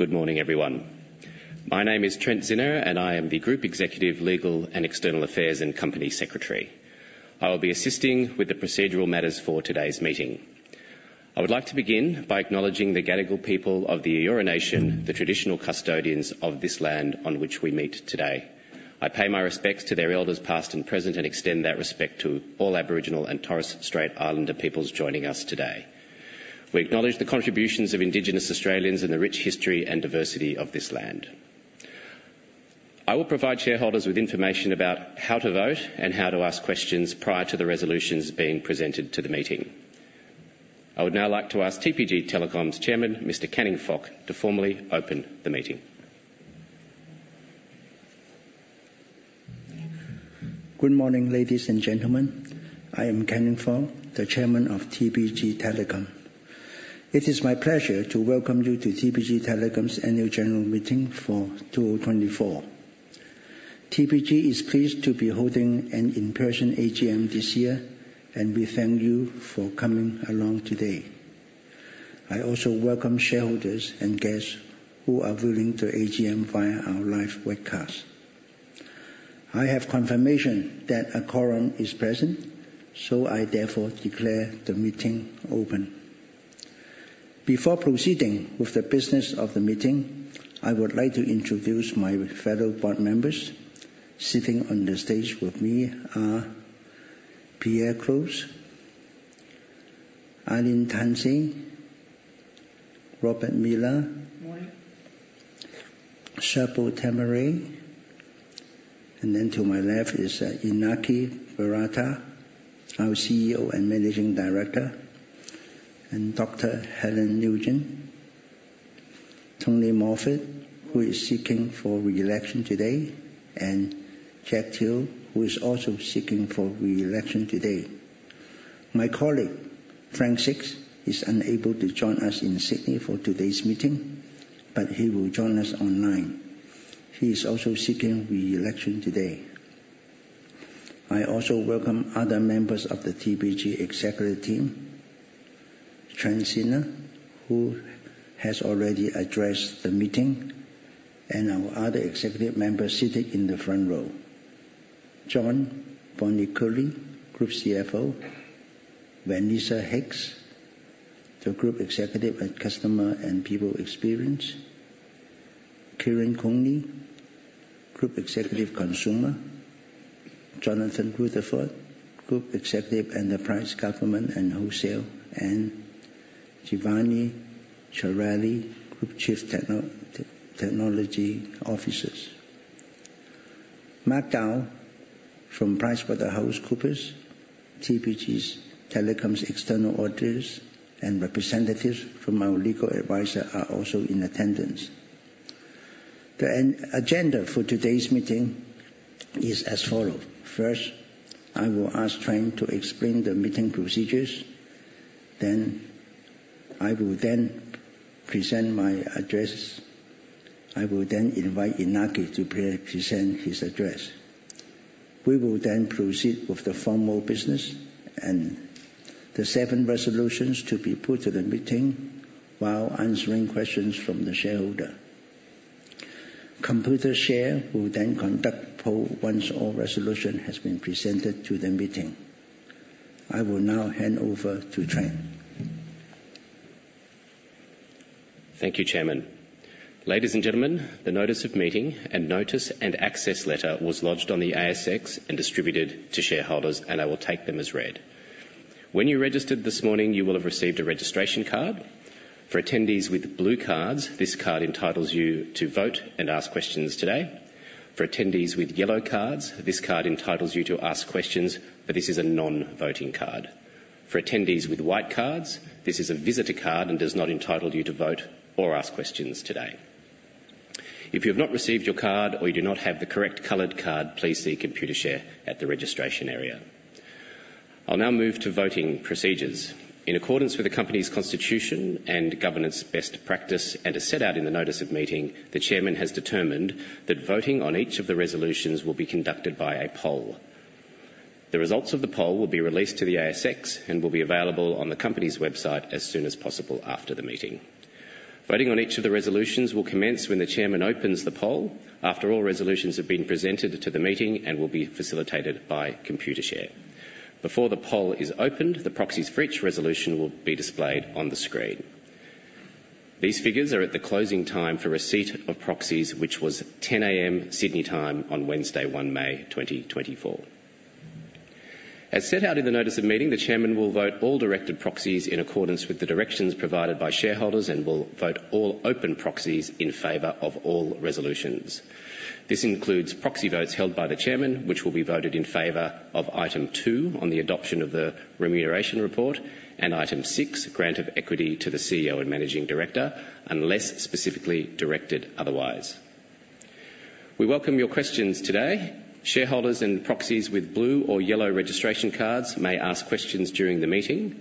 Good morning, everyone. My name is Trent Czinner, and I am the Group Executive, Legal and External Affairs, and Company Secretary. I will be assisting with the procedural matters for today's meeting. I would like to begin by acknowledging the Gadigal people of the Eora Nation, the traditional custodians of this land on which we meet today. I pay my respects to their elders, past and present, and extend that respect to all Aboriginal and Torres Strait Islander peoples joining us today. We acknowledge the contributions of Indigenous Australians and the rich history and diversity of this land. I will provide shareholders with information about how to vote and how to ask questions prior to the resolutions being presented to the meeting. I would now like to ask TPG Telecom's chairman, Mr. Canning Fok, to formally open the meeting. Good morning, ladies and gentlemen. I am Canning Fok, the chairman of TPG Telecom. It is my pleasure to welcome you to TPG Telecom's Annual General Meeting for 2024. TPG is pleased to be holding an in-person AGM this year, and we thank you for coming along today. I also welcome shareholders and guests who are viewing the AGM via our live webcast. I have confirmation that a quorum is present, so I therefore declare the meeting open. Before proceeding with the business of the meeting, I would like to introduce my fellow board members. Sitting on the stage with me are Pierre Klotz, Arlene Tansey, Robert Millner- Morning.... Serpil Timuray, and then to my left is, Iñaki Berroeta, our CEO and Managing Director, and Dr Helen Nugent, Tony Moffatt, who is seeking for reelection today, and Jack Teoh, who is also seeking for reelection today. My colleague, Frank Sixt, is unable to join us in Sydney for today's meeting, but he will join us online. He is also seeking reelection today. I also welcome other members of the TPG executive team, Trent Czinner, who has already addressed the meeting, and our other executive members sitting in the front row. John Boniciolli, Group CFO; Vanessa Hicks, the Group Executive at Customer and People Experience; Kieran Conley, Group Executive, Consumer; Jonathan Rutherford, Group Executive, Enterprise, Government, and Wholesale; and Giovanni Chiarelli, Group Chief Technology Officer. Mark Dow from PricewaterhouseCoopers, TPG Telecom's external auditors and representatives from our legal advisor, are also in attendance. The agenda for today's meeting is as follows: First, I will ask Trent to explain the meeting procedures. Then, I will then present my address. I will then invite Iñaki to present his address. We will then proceed with the formal business and the seven resolutions to be put to the meeting while answering questions from the shareholder. Computershare will then conduct poll once all resolution has been presented to the meeting. I will now hand over to Trent. Thank you, Chairman. Ladies and gentlemen, the notice of meeting and notice and access letter was lodged on the ASX and distributed to shareholders, and I will take them as read. When you registered this morning, you will have received a registration card. For attendees with blue cards, this card entitles you to vote and ask questions today. For attendees with yellow cards, this card entitles you to ask questions, but this is a non-voting card. For attendees with white cards, this is a visitor card and does not entitle you to vote or ask questions today. If you have not received your card or you do not have the correct colored card, please see Computershare at the registration area. I'll now move to voting procedures. In accordance with the Company's constitution and governance best practice, and as set out in the notice of meeting, the chairman has determined that voting on each of the resolutions will be conducted by a poll. The results of the poll will be released to the ASX and will be available on the company's website as soon as possible after the meeting. Voting on each of the resolutions will commence when the chairman opens the poll, after all resolutions have been presented to the meeting and will be facilitated by Computershare. Before the poll is opened, the proxies for each resolution will be displayed on the screen. These figures are at the closing time for receipt of proxies, which was 10:00 A.M. Sydney time on Wednesday, 1 May 2024. As set out in the notice of meeting, the chairman will vote all directed proxies in accordance with the directions provided by shareholders and will vote all open proxies in favor of all resolutions. This includes proxy votes held by the chairman, which will be voted in favor of Item 2 on the adoption of the remuneration report, and Item 6, Grant of Equity to the CEO and Managing Director, unless specifically directed otherwise. We welcome your questions today. Shareholders and proxies with blue or yellow registration cards may ask questions during the meeting.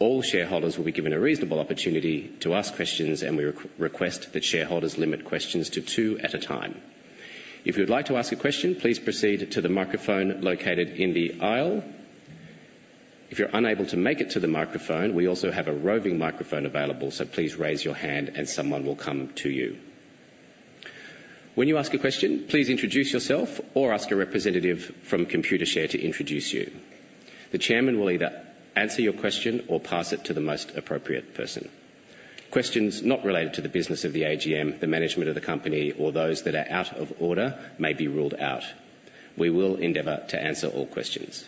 All shareholders will be given a reasonable opportunity to ask questions, and we request that shareholders limit questions to two at a time. If you would like to ask a question, please proceed to the microphone located in the aisle... If you're unable to make it to the microphone, we also have a roving microphone available, so please raise your hand and someone will come to you. When you ask a question, please introduce yourself or ask a representative from Computershare to introduce you. The chairman will either answer your question or pass it to the most appropriate person. Questions not related to the business of the AGM, the management of the company, or those that are out of order may be ruled out. We will endeavor to answer all questions.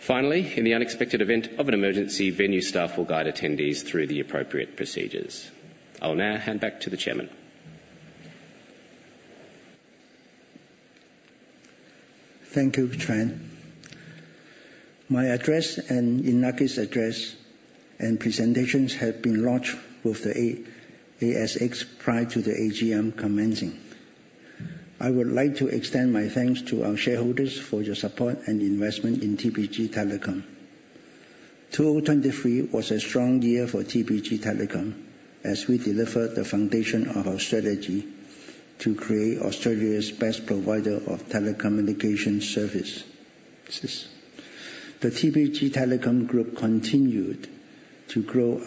Finally, in the unexpected event of an emergency, venue staff will guide attendees through the appropriate procedures. I will now hand back to the chairman. Thank you, Trent. My address and Iñaki's address and presentations have been lodged with the ASX prior to the AGM commencing. I would like to extend my thanks to our shareholders for your support and investment in TPG Telecom. 2023 was a strong year for TPG Telecom as we delivered the foundation of our strategy to create Australia's best provider of telecommunication service. The TPG Telecom Group continued to grow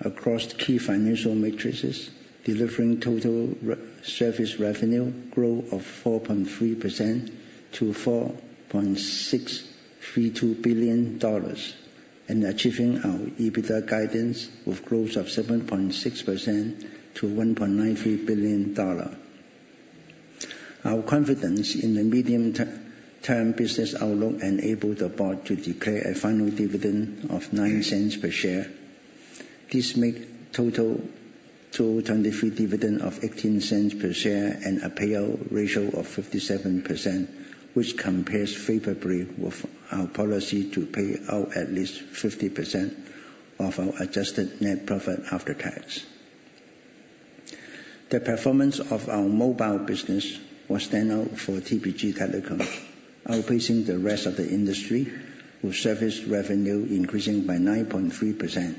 across key financial metrics, delivering total service revenue growth of 4.3% to AUD 4.632 billion, and achieving our EBITDA guidance with growth of 7.6% to 1.93 billion dollar. Our confidence in the medium-term business outlook enabled the board to declare a final dividend of 0.09 per share. This make total 2023 dividend of 0.18 per share and a payout ratio of 57%, which compares favorably with our policy to pay out at least 50% of our adjusted net profit after tax. The performance of our mobile business was standout for TPG Telecom, outpacing the rest of the industry, with service revenue increasing by 9.3%.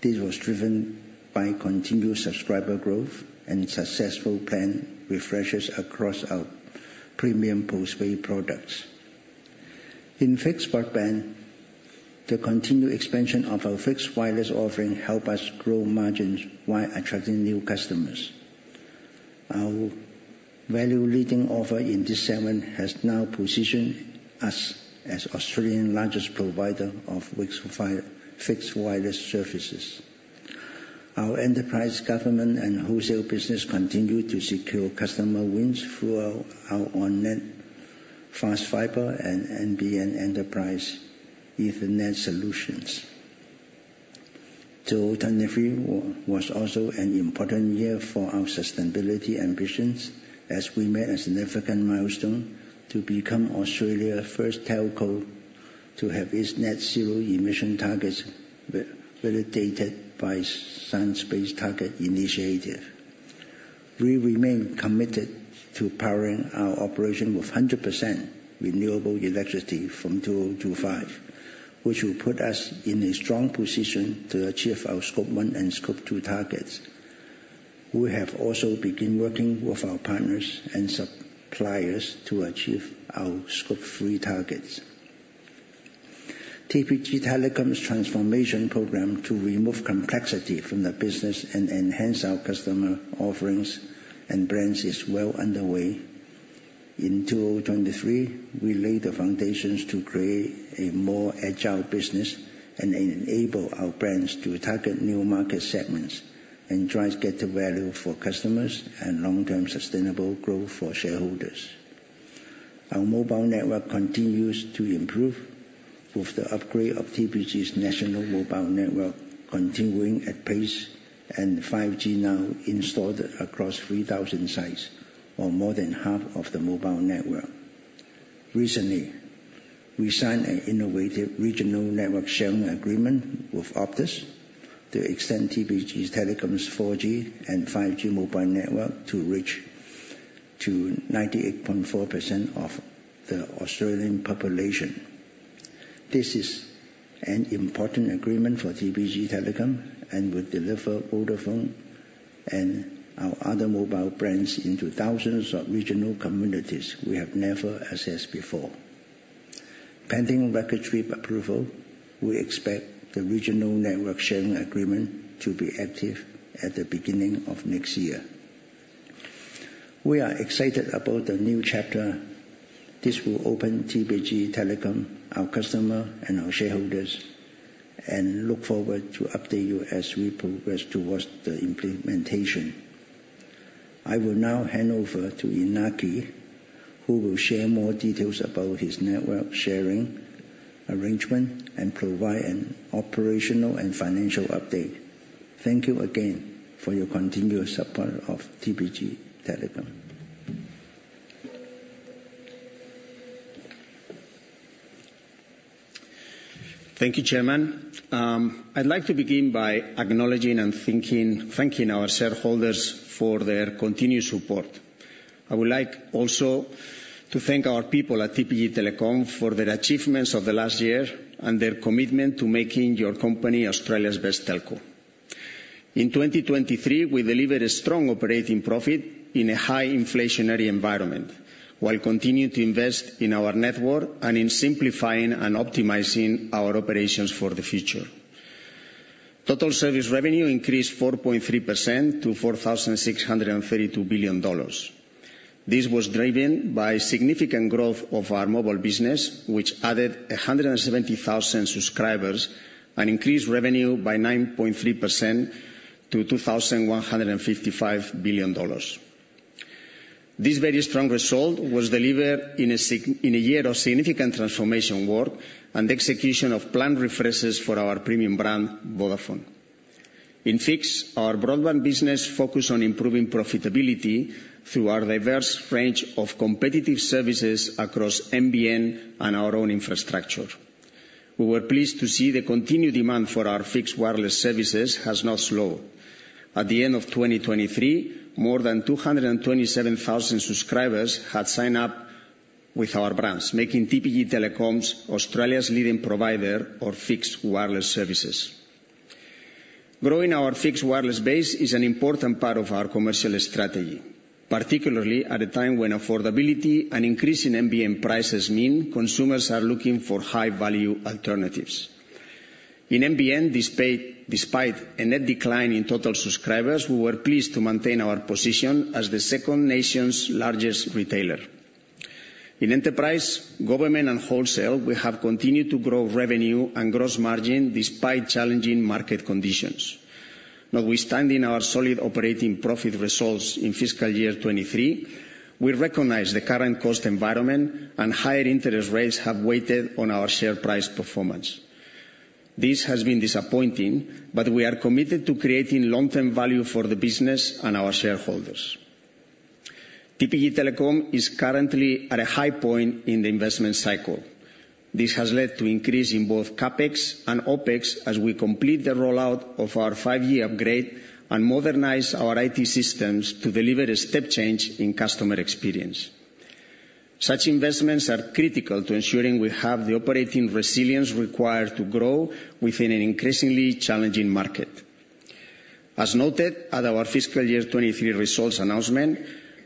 This was driven by continued subscriber growth and successful plan refreshes across our premium postpaid products. In fixed broadband, the continued expansion of our fixed wireless offering help us grow margins while attracting new customers. Our value leading offer in this segment has now positioned us as Australia's largest provider of fixed wireless services. Our enterprise, government, and wholesale business continue to secure customer wins through our on-net fast fiber and NBN Enterprise Ethernet solutions. 2023 was also an important year for our sustainability ambitions, as we met a significant milestone to become Australia's first telco to have its net zero emission targets validated by Science Based Targets initiative. We remain committed to powering our operation with 100% renewable electricity from 2025, which will put us in a strong position to achieve our Scope 1 and Scope 2 targets. We have also begun working with our partners and suppliers to achieve our Scope 3 targets. TPG Telecom's transformation program to remove complexity from the business and enhance our customer offerings and brands is well underway. In 2023, we laid the foundations to create a more agile business and enable our brands to target new market segments and drive greater value for customers and long-term sustainable growth for shareholders. Our mobile network continues to improve with the upgrade of TPG's national mobile network, continuing at pace and 5G now installed across 3,000 sites or more than half of the mobile network. Recently, we signed an innovative regional network sharing agreement with Optus to extend TPG Telecom's 4G and 5G mobile network to reach to 98.4% of the Australian population. This is an important agreement for TPG Telecom and will deliver Vodafone and our other mobile brands into thousands of regional communities we have never accessed before. Pending regulatory approval, we expect the regional network sharing agreement to be active at the beginning of next year. We are excited about the new chapter. This will open TPG Telecom, our customer, and our shareholders, and look forward to update you as we progress towards the implementation. I will now hand over to Iñaki, who will share more details about his network sharing arrangement and provide an operational and financial update. Thank you again for your continuous support of TPG Telecom. Thank you, Chairman. I'd like to begin by acknowledging and thanking our shareholders for their continued support. I would like also to thank our people at TPG Telecom for their achievements of the last year and their commitment to making your company Australia's best telco. In 2023, we delivered a strong operating profit in a high inflationary environment, while continuing to invest in our network and in simplifying and optimizing our operations for the future. Total service revenue increased 4.3% to 4.632 billion dollars. This was driven by significant growth of our mobile business, which added 170,000 subscribers and increased revenue by 9.3% to AUD 2.155 billion. This very strong result was delivered in a year of significant transformation work and execution of planned refreshes for our premium brand, Vodafone. In Fixed, our broadband business focused on improving profitability through our diverse range of competitive services across NBN and our own infrastructure. We were pleased to see the continued demand for our fixed wireless services has not slowed. At the end of 2023, more than 227,000 subscribers had signed up with our brands, making TPG Telecom Australia's leading provider of fixed wireless services. Growing our fixed wireless base is an important part of our commercial strategy, particularly at a time when affordability and increasing NBN prices mean consumers are looking for high-value alternatives. In NBN, despite a net decline in total subscribers, we were pleased to maintain our position as the second nation's largest retailer. In enterprise, government, and wholesale, we have continued to grow revenue and gross margin despite challenging market conditions. Notwithstanding our solid operating profit results in fiscal year 2023, we recognize the current cost environment and higher interest rates have weighed on our share price performance. This has been disappointing, but we are committed to creating long-term value for the business and our shareholders. TPG Telecom is currently at a high point in the investment cycle. This has led to increase in both CapEx and OpEx as we complete the rollout of our 5-year upgrade and modernize our IT systems to deliver a step change in customer experience. Such investments are critical to ensuring we have the operating resilience required to grow within an increasingly challenging market. As noted at our fiscal year 2023 results announcement,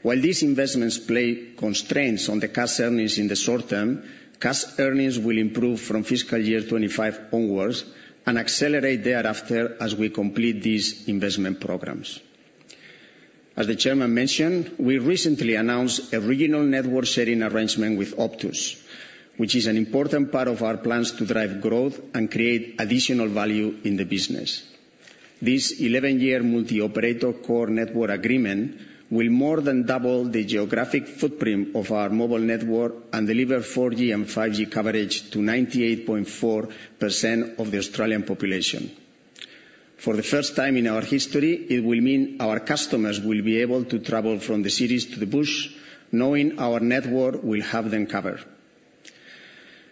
while these investments place constraints on the cash earnings in the short term, cash earnings will improve from fiscal year 2025 onwards and accelerate thereafter as we complete these investment programs. As the chairman mentioned, we recently announced a regional network sharing arrangement with Optus, which is an important part of our plans to drive growth and create additional value in the business. This 11-year multi-operator core network agreement will more than double the geographic footprint of our mobile network and deliver 4G and 5G coverage to 98.4% of the Australian population. For the first time in our history, it will mean our customers will be able to travel from the cities to the bush, knowing our network will have them covered.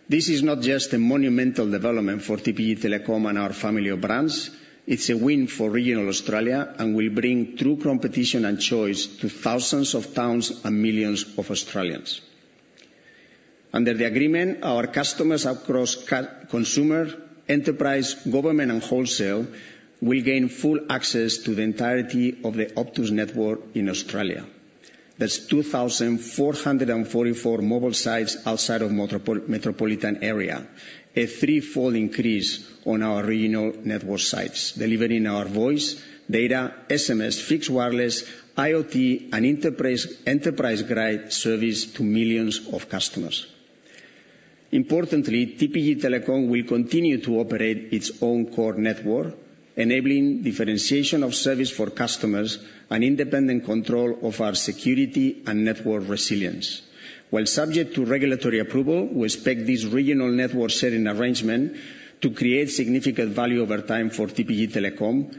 This is not just a monumental development for TPG Telecom and our family of brands, it's a win for regional Australia and will bring true competition and choice to thousands of towns and millions of Australians. Under the agreement, our customers across consumer, enterprise, government, and wholesale will gain full access to the entirety of the Optus network in Australia. That's 2,444 mobile sites outside of metropolitan area, a threefold increase on our regional network sites, delivering our voice, data, SMS, fixed wireless, IoT, and enterprise-grade service to millions of customers. Importantly, TPG Telecom will continue to operate its own core network, enabling differentiation of service for customers and independent control of our security and network resilience. While subject to regulatory approval, we expect this regional network sharing arrangement to create significant value over time for TPG Telecom,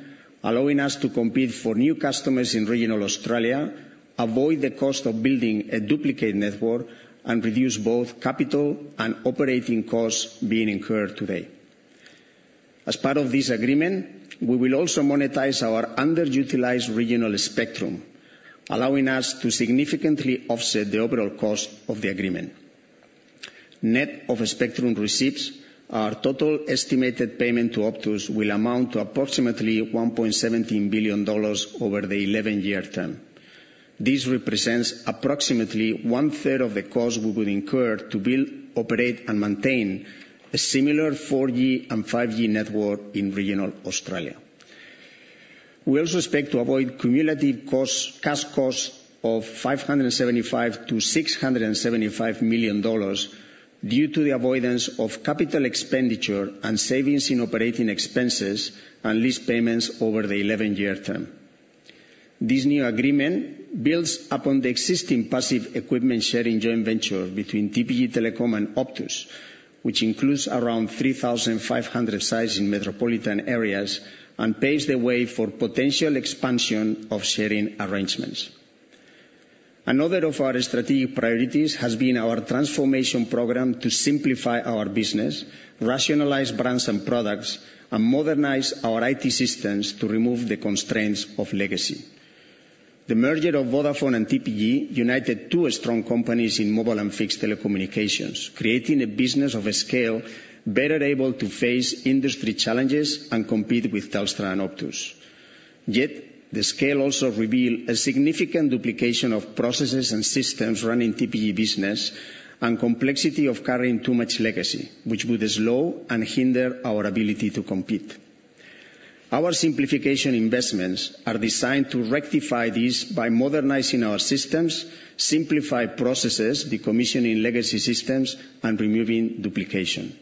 allowing us to compete for new customers in regional Australia, avoid the cost of building a duplicate network, and reduce both capital and operating costs being incurred today. As part of this agreement, we will also monetize our underutilized regional spectrum, allowing us to significantly offset the overall cost of the agreement. Net of spectrum receipts, our total estimated payment to Optus will amount to approximately 1.17 billion dollars over the 11-year term. This represents approximately one-third of the cost we would incur to build, operate, and maintain a similar 4G and 5G network in regional Australia. We also expect to avoid cumulative costs, cash costs of 575 million-675 million dollars due to the avoidance of capital expenditure and savings in operating expenses and lease payments over the 11-year term. This new agreement builds upon the existing passive equipment sharing joint venture between TPG Telecom and Optus, which includes around 3,500 sites in metropolitan areas and paves the way for potential expansion of sharing arrangements. Another of our strategic priorities has been our transformation program to simplify our business, rationalize brands and products, and modernize our IT systems to remove the constraints of legacy.... The merger of Vodafone and TPG united two strong companies in mobile and fixed telecommunications, creating a business of a scale better able to face industry challenges and compete with Telstra and Optus. Yet, the scale also revealed a significant duplication of processes and systems running TPG business, and complexity of carrying too much legacy, which would slow and hinder our ability to compete. Our simplification investments are designed to rectify this by modernizing our systems, simplify processes, decommissioning legacy systems, and removing duplication.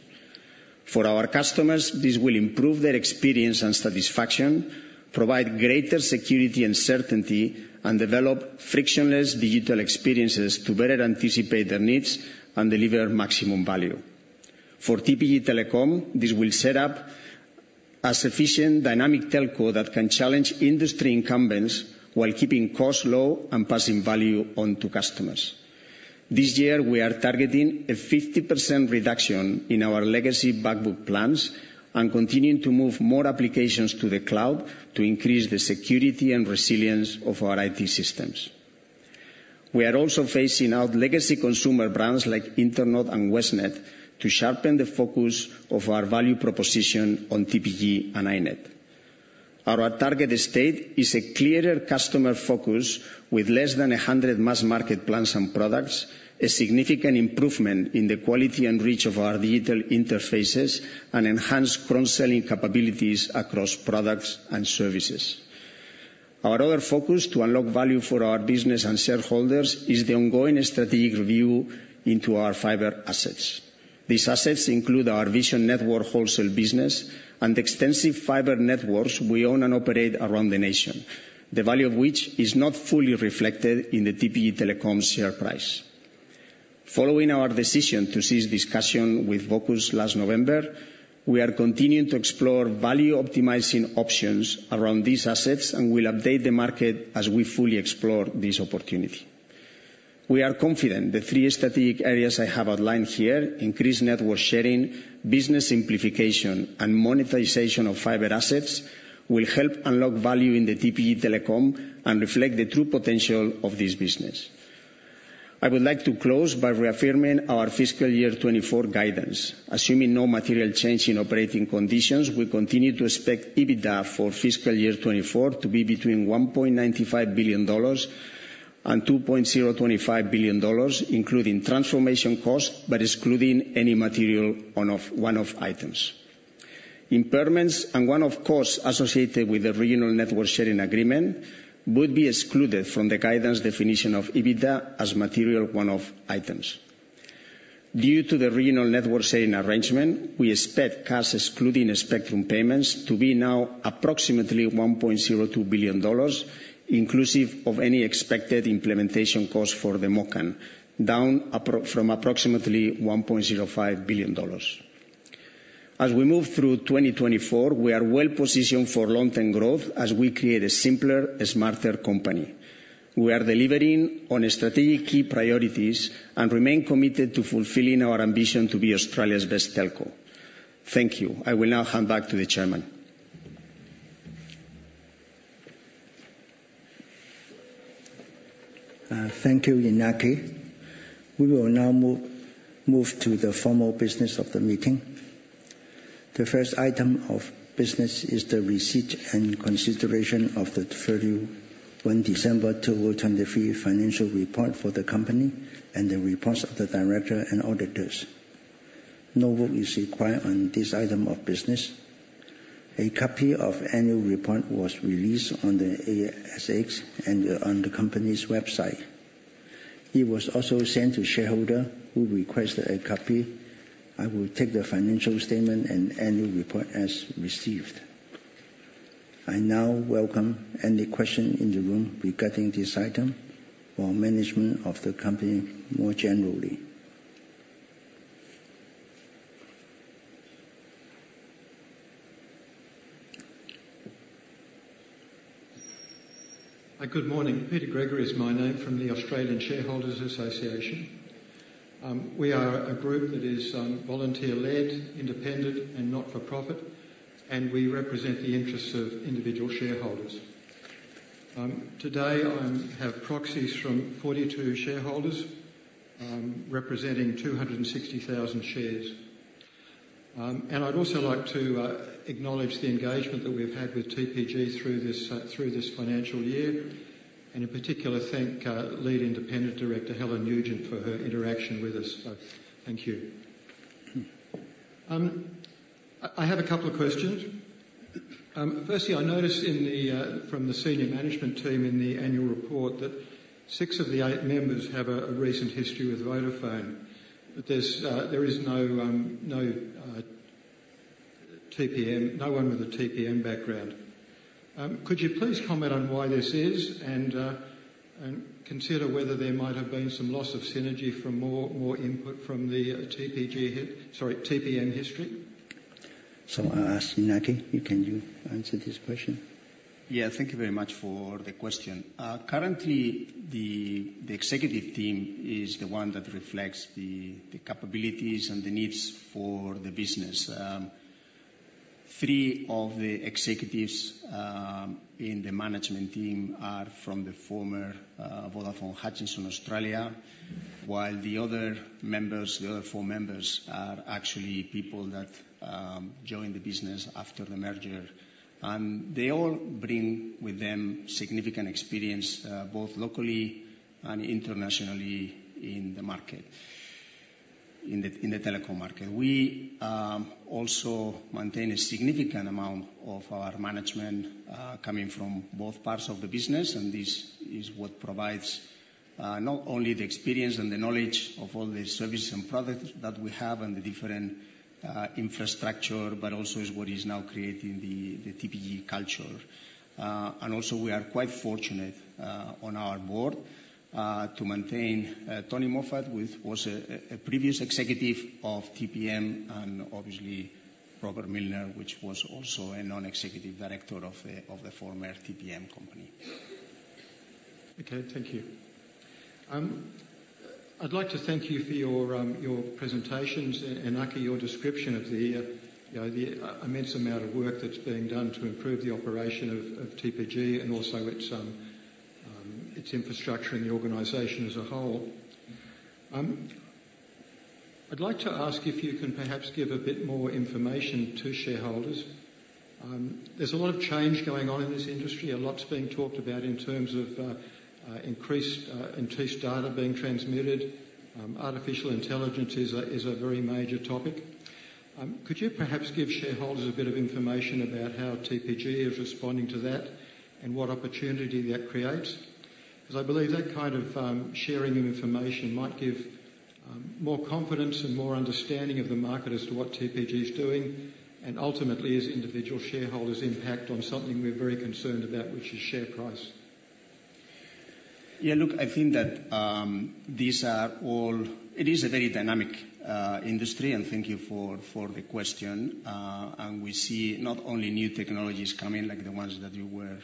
For our customers, this will improve their experience and satisfaction, provide greater security and certainty, and develop frictionless digital experiences to better anticipate their needs and deliver maximum value. For TPG Telecom, this will set up a sufficient dynamic telco that can challenge industry incumbents while keeping costs low and passing value on to customers. This year, we are targeting a 50% reduction in our legacy back book plans and continuing to move more applications to the cloud to increase the security and resilience of our IT systems. We are also phasing out legacy consumer brands like Internode and Westnet to sharpen the focus of our value proposition on TPG and iiNet. Our target state is a clearer customer focus with less than 100 mass market plans and products, a significant improvement in the quality and reach of our digital interfaces, and enhanced cross-selling capabilities across products and services. Our other focus to unlock value for our business and shareholders is the ongoing strategic review into our fiber assets. These assets include our Vision Network wholesale business and extensive fiber networks we own and operate around the nation, the value of which is not fully reflected in the TPG Telecom share price. Following our decision to cease discussion with Vocus last November, we are continuing to explore value-optimizing options around these assets and will update the market as we fully explore this opportunity. We are confident the three strategic areas I have outlined here, increased network sharing, business simplification, and monetization of fiber assets, will help unlock value in the TPG Telecom and reflect the true potential of this business. I would like to close by reaffirming our fiscal year 2024 guidance. Assuming no material change in operating conditions, we continue to expect EBITDA for fiscal year 2024 to be between 1.95 billion dollars and 2.025 billion dollars, including transformation costs, but excluding any material one-off items. Impairments and one-off costs associated with the regional network sharing agreement would be excluded from the guidance definition of EBITDA as material one-off items. Due to the regional network sharing arrangement, we expect cash excluding spectrum payments to be now approximately 1.02 billion dollars, inclusive of any expected implementation costs for the MOCN, down from approximately 1.05 billion dollars. As we move through 2024, we are well positioned for long-term growth as we create a simpler, smarter company. We are delivering on strategic key priorities and remain committed to fulfilling our ambition to be Australia's best telco. Thank you. I will now hand back to the chairman. Thank you, Iñaki. We will now move to the formal business of the meeting. The first item of business is the receipt and consideration of the 31 December 2023 financial report for the company and the reports of the director and auditors. No vote is required on this item of business. A copy of annual report was released on the ASX and on the company's website. It was also sent to shareholder who requested a copy. I will take the financial statement and annual report as received. I now welcome any question in the room regarding this item or management of the company more generally. Good morning. Peter Gregory is my name from the Australian Shareholders Association. We are a group that is volunteer-led, independent, and not-for-profit, and we represent the interests of individual shareholders. Today, I have proxies from 42 shareholders, representing 260,000 shares. And I'd also like to acknowledge the engagement that we've had with TPG through this financial year, and in particular, thank Lead Independent Director, Helen Nugent, for her interaction with us. So thank you. I have a couple of questions. Firstly, I noticed from the senior management team in the annual report that six of the eight members have a recent history with Vodafone, but there's no one with a TPG background. Could you please comment on why this is, and consider whether there might have been some loss of synergy from more input from the TPG history? So I'll ask Iñaki, can you answer this question? Yeah, thank you very much for the question. Currently, the executive team is the one that reflects the capabilities and the needs for the business. Three of the executives in the management team are from the former Vodafone Hutchison Australia, while the other members, the other four members, are actually people that joined the business after the merger. And they all bring with them significant experience both locally and internationally in the market, in the telecom market. We also maintain a significant amount of our management coming from both parts of the business, and this is what provides not only the experience and the knowledge of all the services and products that we have and the different infrastructure, but also is what is now creating the TPG culture. Also, we are quite fortunate on our board to maintain Tony Moffatt who was a previous executive of TPG and obviously Robert Millner who was also a non-executive director of the former TPG company. Okay, thank you. I'd like to thank you for your presentations and actually your description of the, you know, the immense amount of work that's being done to improve the operation of TPG, and also its infrastructure in the organization as a whole. I'd like to ask if you can perhaps give a bit more information to shareholders. There's a lot of change going on in this industry, and lots being talked about in terms of increased data being transmitted. Artificial intelligence is a very major topic. Could you perhaps give shareholders a bit of information about how TPG is responding to that, and what opportunity that creates? Because I believe that kind of sharing information might give more confidence and more understanding of the market as to what TPG is doing, and ultimately as individual shareholders impact on something we're very concerned about, which is share price. Yeah, look, I think that these are all. It is a very dynamic industry, and thank you for the question. We see not only new technologies coming, like the ones that you were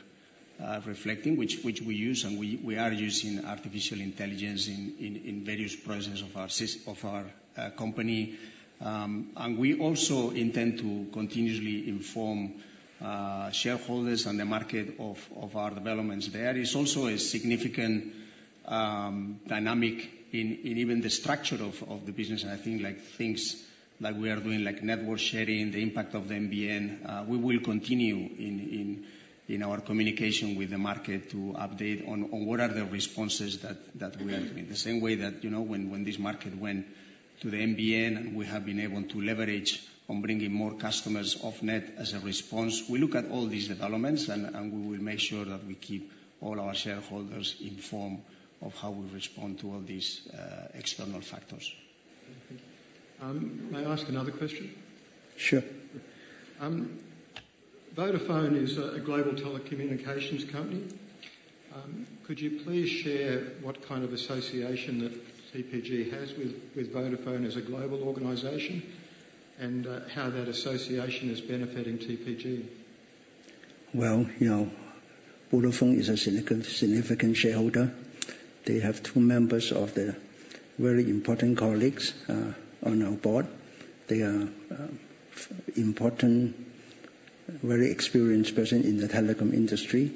reflecting, which we use, and we are using artificial intelligence in various processes of our company. We also intend to continuously inform shareholders and the market of our developments. There is also a significant dynamic in even the structure of the business, and I think, like, things that we are doing, like network sharing, the impact of the NBN. We will continue in our communication with the market to update on what are the responses that we are doing. The same way that, you know, when this market went to the NBN, and we have been able to leverage on bringing more customers off net as a response. We look at all these developments, and we will make sure that we keep all our shareholders informed of how we respond to all these external factors. May I ask another question? Sure. Vodafone is a global telecommunications company. Could you please share what kind of association that TPG has with Vodafone as a global organization, and how that association is benefiting TPG? Well, you know, Vodafone is a significant, significant shareholder. They have two members of their very important colleagues on our board. They are important, very experienced person in the telecom industry.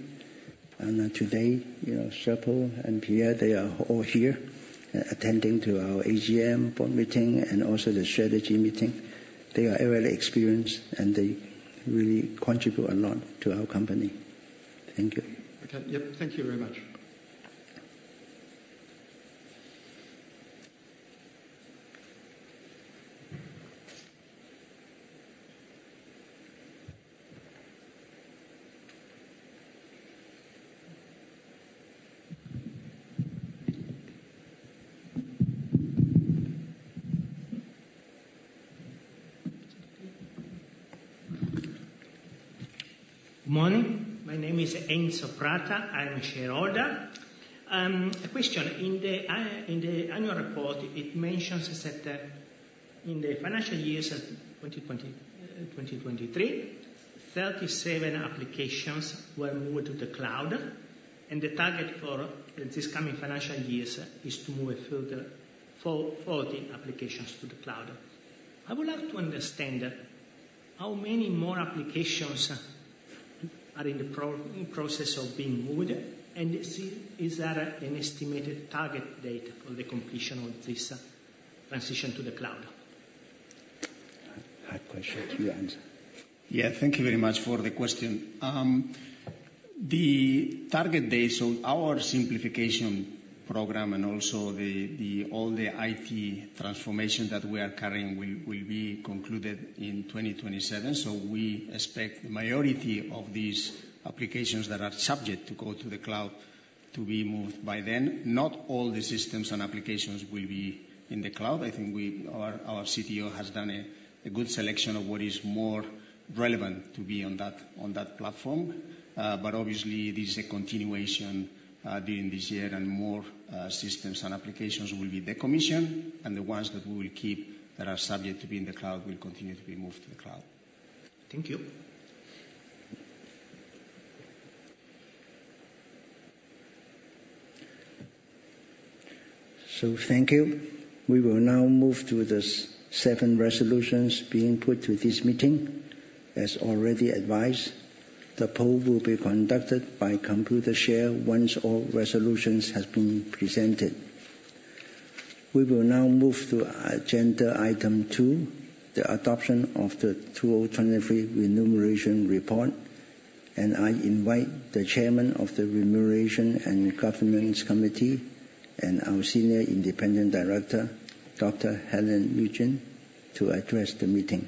And today, you know, Serpil and Pierre, they are all here attending to our AGM board meeting and also the strategy meeting. They are very experienced, and they really contribute a lot to our company. Thank you. Okay. Yep, thank you very much. Morning. My name is Enzo Prata, I'm shareholder. A question: in the annual report, it mentions that, in the financial years of 2020, 2023, 37 applications were moved to the cloud, and the target for this coming financial years is to move a further 40 applications to the cloud. I would like to understand how many more applications are in the process of being moved, and is there an estimated target date for the completion of this transition to the cloud? I question to you, Enzo. Yeah, thank you very much for the question. The target date, so our simplification program and also all the IT transformation that we are carrying will be concluded in 2027. So we expect the majority of these applications that are subject to go to the cloud to be moved by then. Not all the systems and applications will be in the cloud. I think our CTO has done a good selection of what is more relevant to be on that platform. But obviously, it is a continuation during this year, and more systems and applications will be decommissioned, and the ones that we will keep, that are subject to be in the cloud, will continue to be moved to the cloud. Thank you.... So thank you. We will now move to the 7 resolutions being put to this meeting. As already advised, the poll will be conducted by Computershare once all resolutions have been presented. We will now move to agenda item 2, the adoption of the 2023 Remuneration Report, and I invite the Chairman of the Remuneration and Governance Committee, and our Senior Independent Director, Dr. Helen Nugent, to address the meeting.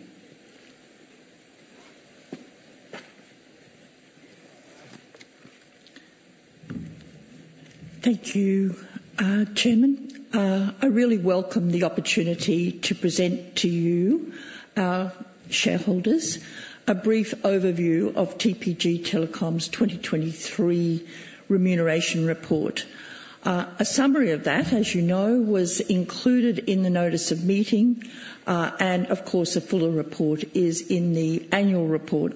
Thank you, Chairman. I really welcome the opportunity to present to you, our shareholders, a brief overview of TPG Telecom's 2023 remuneration report. A summary of that, as you know, was included in the notice of meeting, and of course, a fuller report is in the annual report.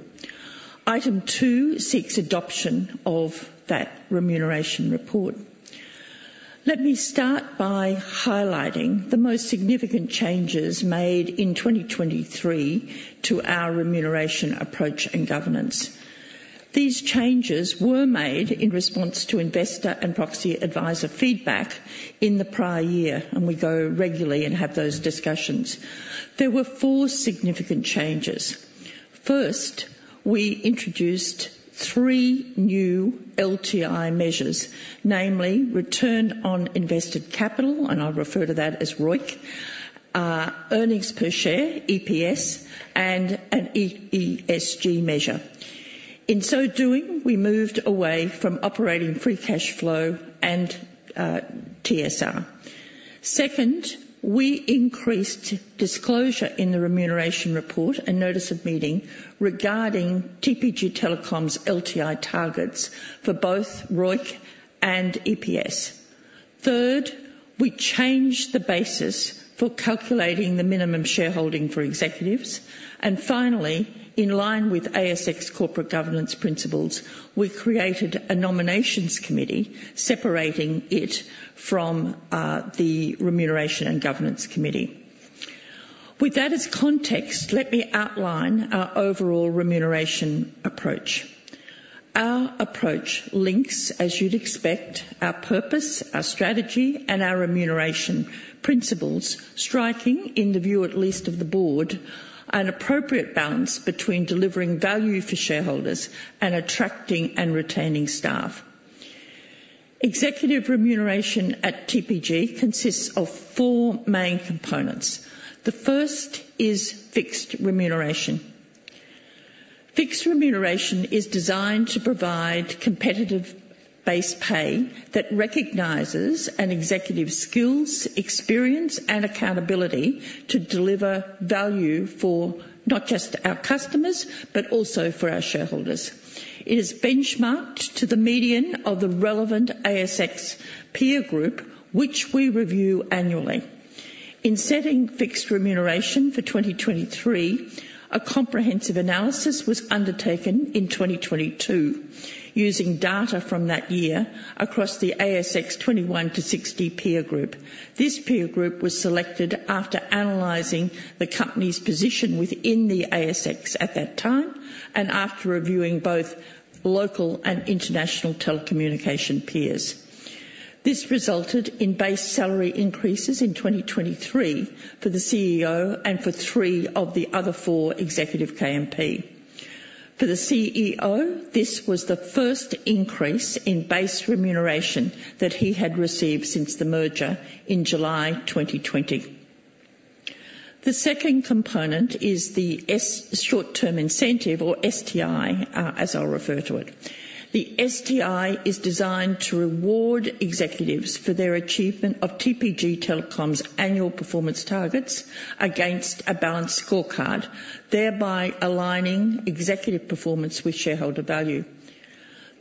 Item two seeks adoption of that remuneration report. Let me start by highlighting the most significant changes made in 2023 to our remuneration approach and governance. These changes were made in response to investor and proxy advisor feedback in the prior year, and we go regularly and have those discussions. There were four significant changes. First, we introduced three new LTI measures, namely Return on Invested Capital, and I'll refer to that as ROIC, Earnings Per Share, EPS, and an ESG measure. In so doing, we moved away from operating free cashflow and TSR. Second, we increased disclosure in the remuneration report and notice of meeting regarding TPG Telecom's LTI targets for both ROIC and EPS. Third, we changed the basis for calculating the minimum shareholding for executives. And finally, in line with ASX corporate governance principles, we created a Nominations Committee, separating it from the Remuneration and Governance Committee. With that as context, let me outline our overall remuneration approach. Our approach links, as you'd expect, our purpose, our strategy, and our remuneration principles, striking, in the view at least of the board, an appropriate balance between delivering value for shareholders and attracting and retaining staff. Executive remuneration at TPG consists of four main components. The first is fixed remuneration. Fixed remuneration is designed to provide competitive base pay that recognizes an executive's skills, experience, and accountability to deliver value for not just our customers, but also for our shareholders. It is benchmarked to the median of the relevant ASX peer group, which we review annually. In setting fixed remuneration for 2023, a comprehensive analysis was undertaken in 2022, using data from that year across the ASX 21-60 peer group. This peer group was selected after analyzing the company's position within the ASX at that time, and after reviewing both local and international telecommunication peers. This resulted in base salary increases in 2023 for the CEO and for three of the other four executive KMP. For the CEO, this was the first increase in base remuneration that he had received since the merger in July 2020. The second component is the Short-Term Incentive or STI, as I'll refer to it. The STI is designed to reward executives for their achievement of TPG Telecom's annual performance targets against a balanced scorecard, thereby aligning executive performance with shareholder value.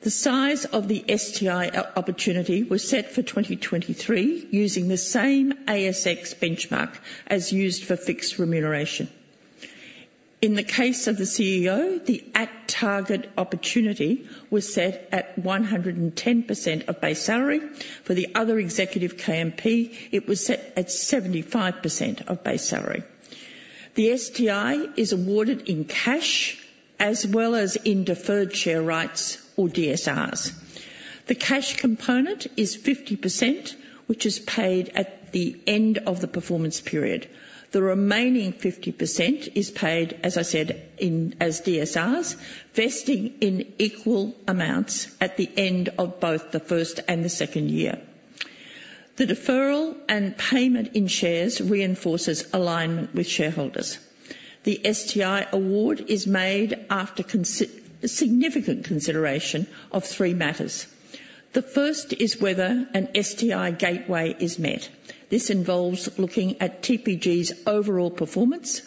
The size of the STI opportunity was set for 2023, using the same ASX benchmark as used for fixed remuneration. In the case of the CEO, the at-target opportunity was set at 110% of base salary. For the other executive KMP, it was set at 75% of base salary. The STI is awarded in cash, as well as in Deferred Share Rights or DSRs. The cash component is 50%, which is paid at the end of the performance period. The remaining 50% is paid, as I said, in DSRs, vesting in equal amounts at the end of both the first and the second year. The deferral and payment in shares reinforces alignment with shareholders. The STI award is made after significant consideration of three matters. The first is whether an STI gateway is met. This involves looking at TPG's overall performance,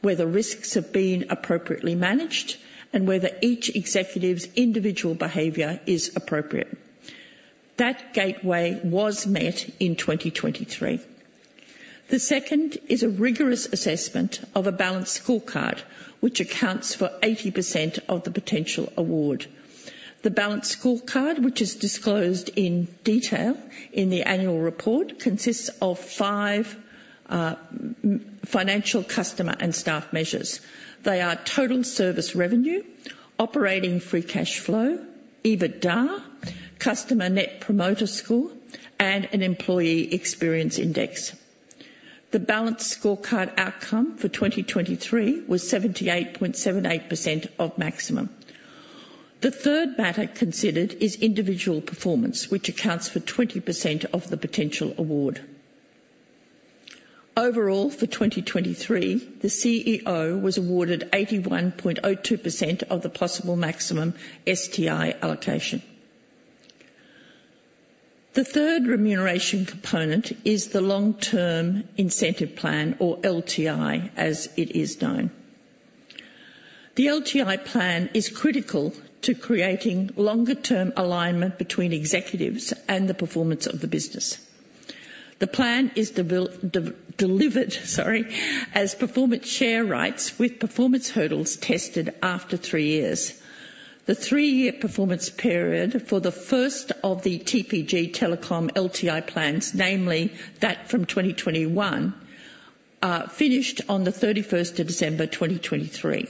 whether risks have been appropriately managed, and whether each executive's individual behavior is appropriate. That gateway was met in 2023. The second is a rigorous assessment of a balanced scorecard, which accounts for 80% of the potential award. The balanced scorecard, which is disclosed in detail in the annual report, consists of five financial, customer, and staff measures. They are total service revenue, operating free cash flow, EBITDA, Customer Net Promoter Score, and an employee experience index. The balanced scorecard outcome for 2023 was 78.78% of maximum. The third matter considered is individual performance, which accounts for 20% of the potential award. Overall, for 2023, the CEO was awarded 81.02% of the possible maximum STI allocation. The third remuneration component is the Long-Term Incentive Plan, or LTI, as it is known. The LTI plan is critical to creating longer term alignment between executives and the performance of the business. The plan is delivered, sorry, as performance share rights with performance hurdles tested after three years. The three-year performance period for the first of the TPG Telecom LTI plans, namely that from 2021, finished on the 31st of December 2023.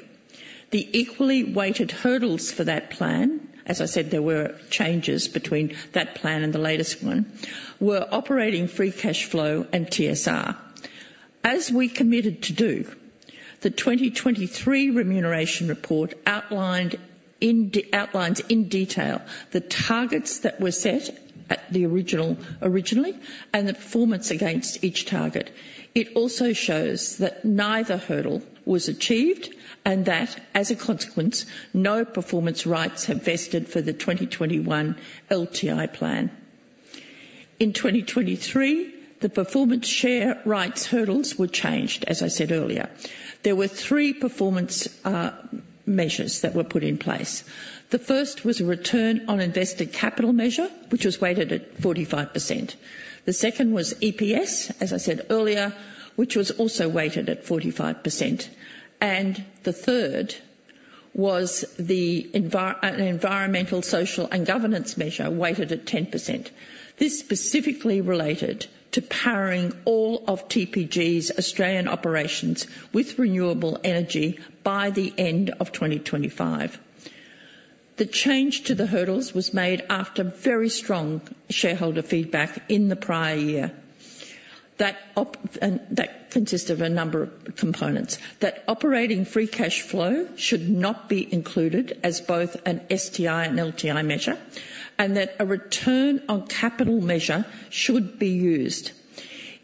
The equally weighted hurdles for that plan, as I said, there were changes between that plan and the latest one, were operating free cash flow and TSR. As we committed to do, the 2023 remuneration report outlines in detail the targets that were set originally, and the performance against each target. It also shows that neither hurdle was achieved, and that, as a consequence, no Performance Rights have vested for the 2021 LTI plan. In 2023, the performance share rights hurdles were changed, as I said earlier. There were three performance measures that were put in place. The first was a return on invested capital measure, which was weighted at 45%. The second was EPS, as I said earlier, which was also weighted at 45%. And the third was the environmental, social, and governance measure, weighted at 10%. This specifically related to powering all of TPG's Australian operations with renewable energy by the end of 2025. The change to the hurdles was made after very strong shareholder feedback in the prior year. That consists of a number of components. That operating free cash flow should not be included as both an STI and LTI measure, and that a return on capital measure should be used.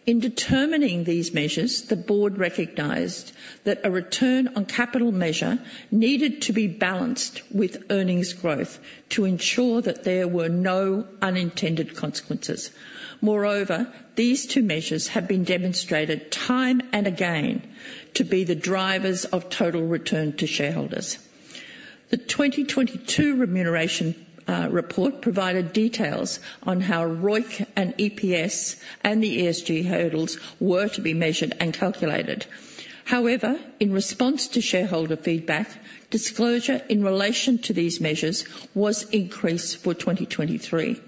In determining these measures, the board recognized that a return on capital measure needed to be balanced with earnings growth to ensure that there were no unintended consequences. Moreover, these two measures have been demonstrated time and again to be the drivers of total return to shareholders. The 2022 remuneration report provided details on how ROIC, and EPS, and the ESG hurdles were to be measured and calculated. However, in response to shareholder feedback, disclosure in relation to these measures was increased for 2023.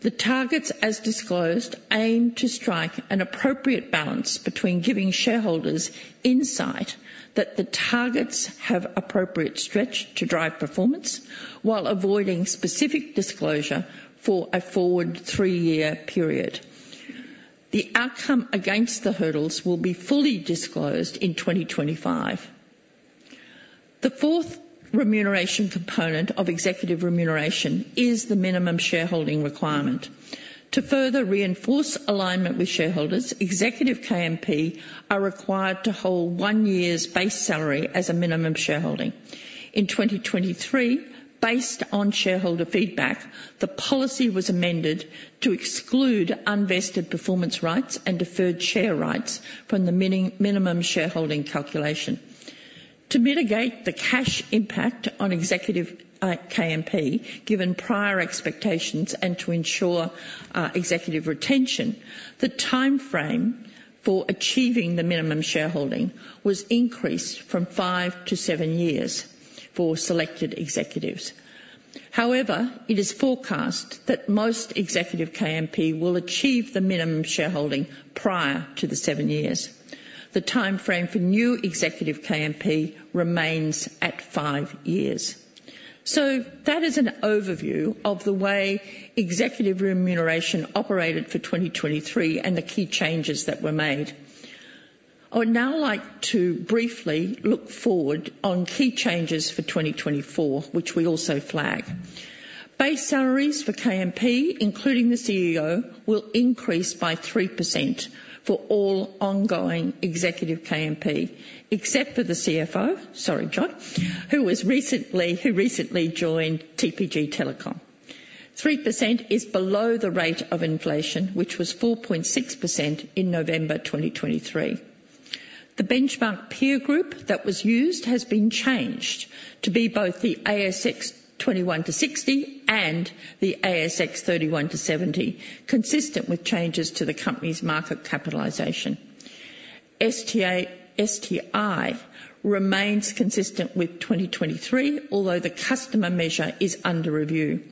The targets, as disclosed, aim to strike an appropriate balance between giving shareholders insight that the targets have appropriate stretch to drive performance, while avoiding specific disclosure for a forward three-year period. The outcome against the hurdles will be fully disclosed in 2025. The fourth remuneration component of executive remuneration is the minimum shareholding requirement. To further reinforce alignment with shareholders, executive KMP are required to hold one year's base salary as a minimum shareholding. In 2023, based on shareholder feedback, the policy was amended to exclude unvested Performance Rights and Deferred Share Rights from the minimum shareholding calculation. To mitigate the cash impact on executive KMP, given prior expectations and to ensure executive retention, the timeframe for achieving the minimum shareholding was increased from five to seven years for selected executives. However, it is forecast that most executive KMP will achieve the minimum shareholding prior to the seven years. The timeframe for new executive KMP remains at five years. So that is an overview of the way executive remuneration operated for 2023, and the key changes that were made. I would now like to briefly look forward on key changes for 2024, which we also flag. Base salaries for KMP, including the CEO, will increase by 3% for all ongoing executive KMP, except for the CFO, sorry, John, who recently joined TPG Telecom. 3% is below the rate of inflation, which was 4.6% in November 2023. The benchmark peer group that was used has been changed to be both the ASX 21-60 and the ASX 31-70, consistent with changes to the company's market capitalization. STI remains consistent with 2023, although the customer measure is under review.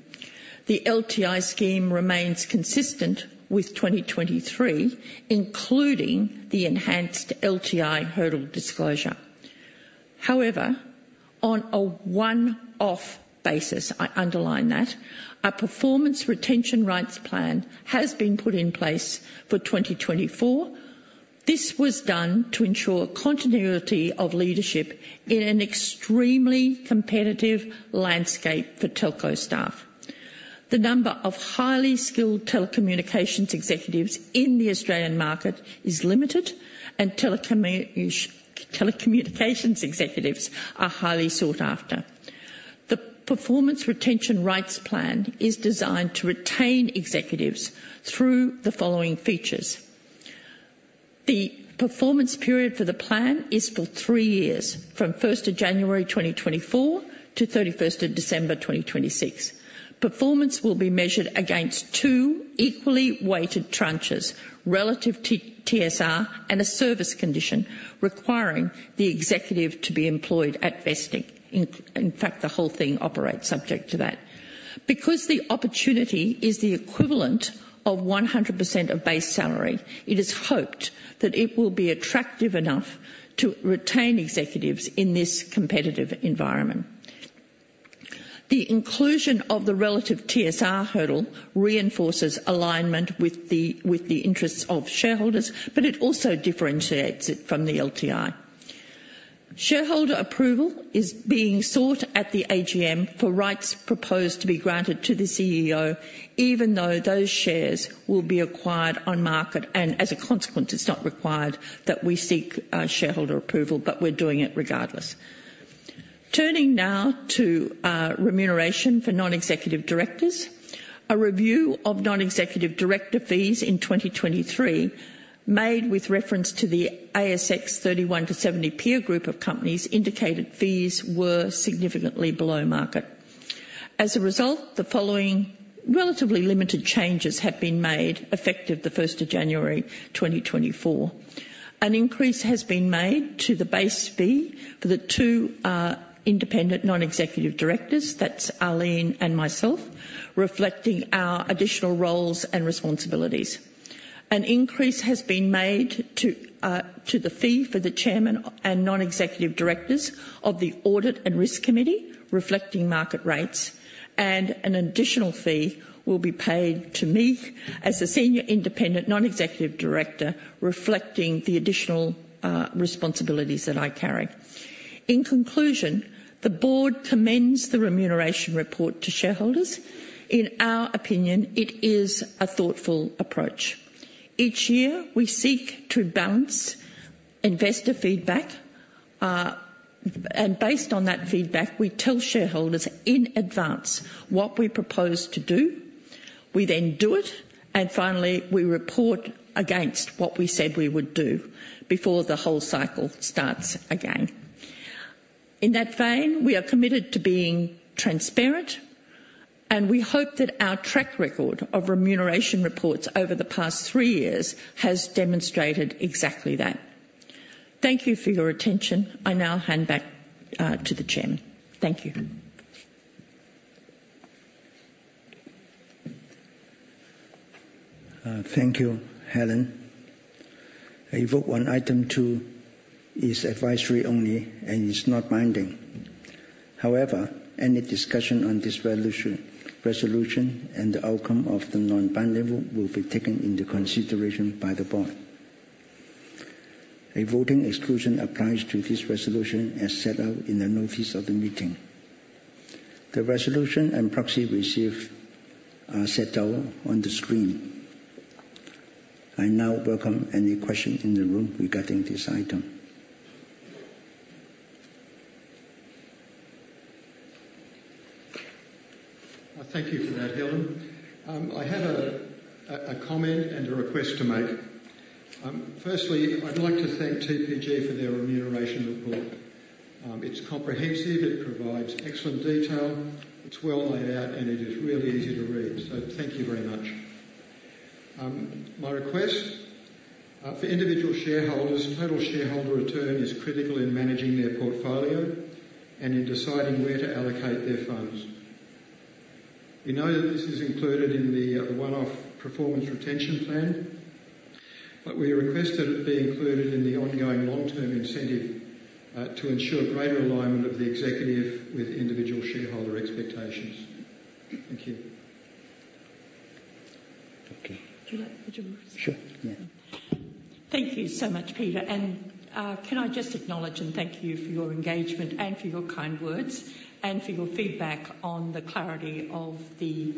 The LTI scheme remains consistent with 2023, including the enhanced LTI hurdle disclosure. However, on a one-off basis, I underline that, a Performance Retention Rights plan has been put in place for 2024. This was done to ensure continuity of leadership in an extremely competitive landscape for telco staff. The number of highly skilled telecommunications executives in the Australian market is limited, and telecommunications executives are highly sought after. The Performance Retention Rights plan is designed to retain executives through the following features: The performance period for the plan is for three years, from January 1, 2024 to December 31, 2026. Performance will be measured against two equally weighted tranches, relative to TSR and a service condition, requiring the executive to be employed at vesting. In fact, the whole thing operates subject to that. Because the opportunity is the equivalent of 100% of base salary, it is hoped that it will be attractive enough to retain executives in this competitive environment. The inclusion of the relative TSR hurdle reinforces alignment with the interests of shareholders, but it also differentiates it from the LTI. Shareholder approval is being sought at the AGM for rights proposed to be granted to the CEO, even though those shares will be acquired on market, and as a consequence, it's not required that we seek shareholder approval, but we're doing it regardless. Turning now to remuneration for non-executive directors. A review of non-executive director fees in 2023, made with reference to the ASX 31-70 peer group of companies, indicated fees were significantly below market. As a result, the following relatively limited changes have been made effective the first of January 2024. An increase has been made to the base fee for the two independent non-executive directors, that's Arlene and myself, reflecting our additional roles and responsibilities. An increase has been made to the fee for the chairman and non-executive directors of the Audit and Risk Committee, reflecting market rates, and an additional fee will be paid to me as a senior independent non-executive director, reflecting the additional responsibilities that I carry. In conclusion, the board commends the remuneration report to shareholders. In our opinion, it is a thoughtful approach. Each year, we seek to balance investor feedback, and based on that feedback, we tell shareholders in advance what we propose to do. We then do it, and finally, we report against what we said we would do before the whole cycle starts again. In that vein, we are committed to being transparent, and we hope that our track record of remuneration reports over the past three years has demonstrated exactly that. Thank you for your attention. I now hand back to the chair. Thank you. Thank you, Helen. A vote on item two is advisory only and is not binding. However, any discussion on this resolution and the outcome of the non-binding vote will be taken into consideration by the board. A voting exclusion applies to this resolution as set out in the notice of the meeting. The resolution and proxy received are set out on the screen. I now welcome any questions in the room regarding this item. Thank you for that, Helen. I had a comment and a request to make. Firstly, I'd like to thank TPG for their remuneration report. It's comprehensive, it provides excellent detail, it's well laid out, and it is really easy to read. So thank you very much. My request, for individual shareholders, total shareholder return is critical in managing their portfolio and in deciding where to allocate their funds. We know that this is included in the one-off performance retention plan, but we request that it be included in the ongoing long-term incentive, to ensure greater alignment of the executive with individual shareholder expectations. Thank you. Okay. Do you like to answer? Sure, yeah. Thank you so much, Peter. And, can I just acknowledge and thank you for your engagement and for your kind words, and for your feedback on the clarity of the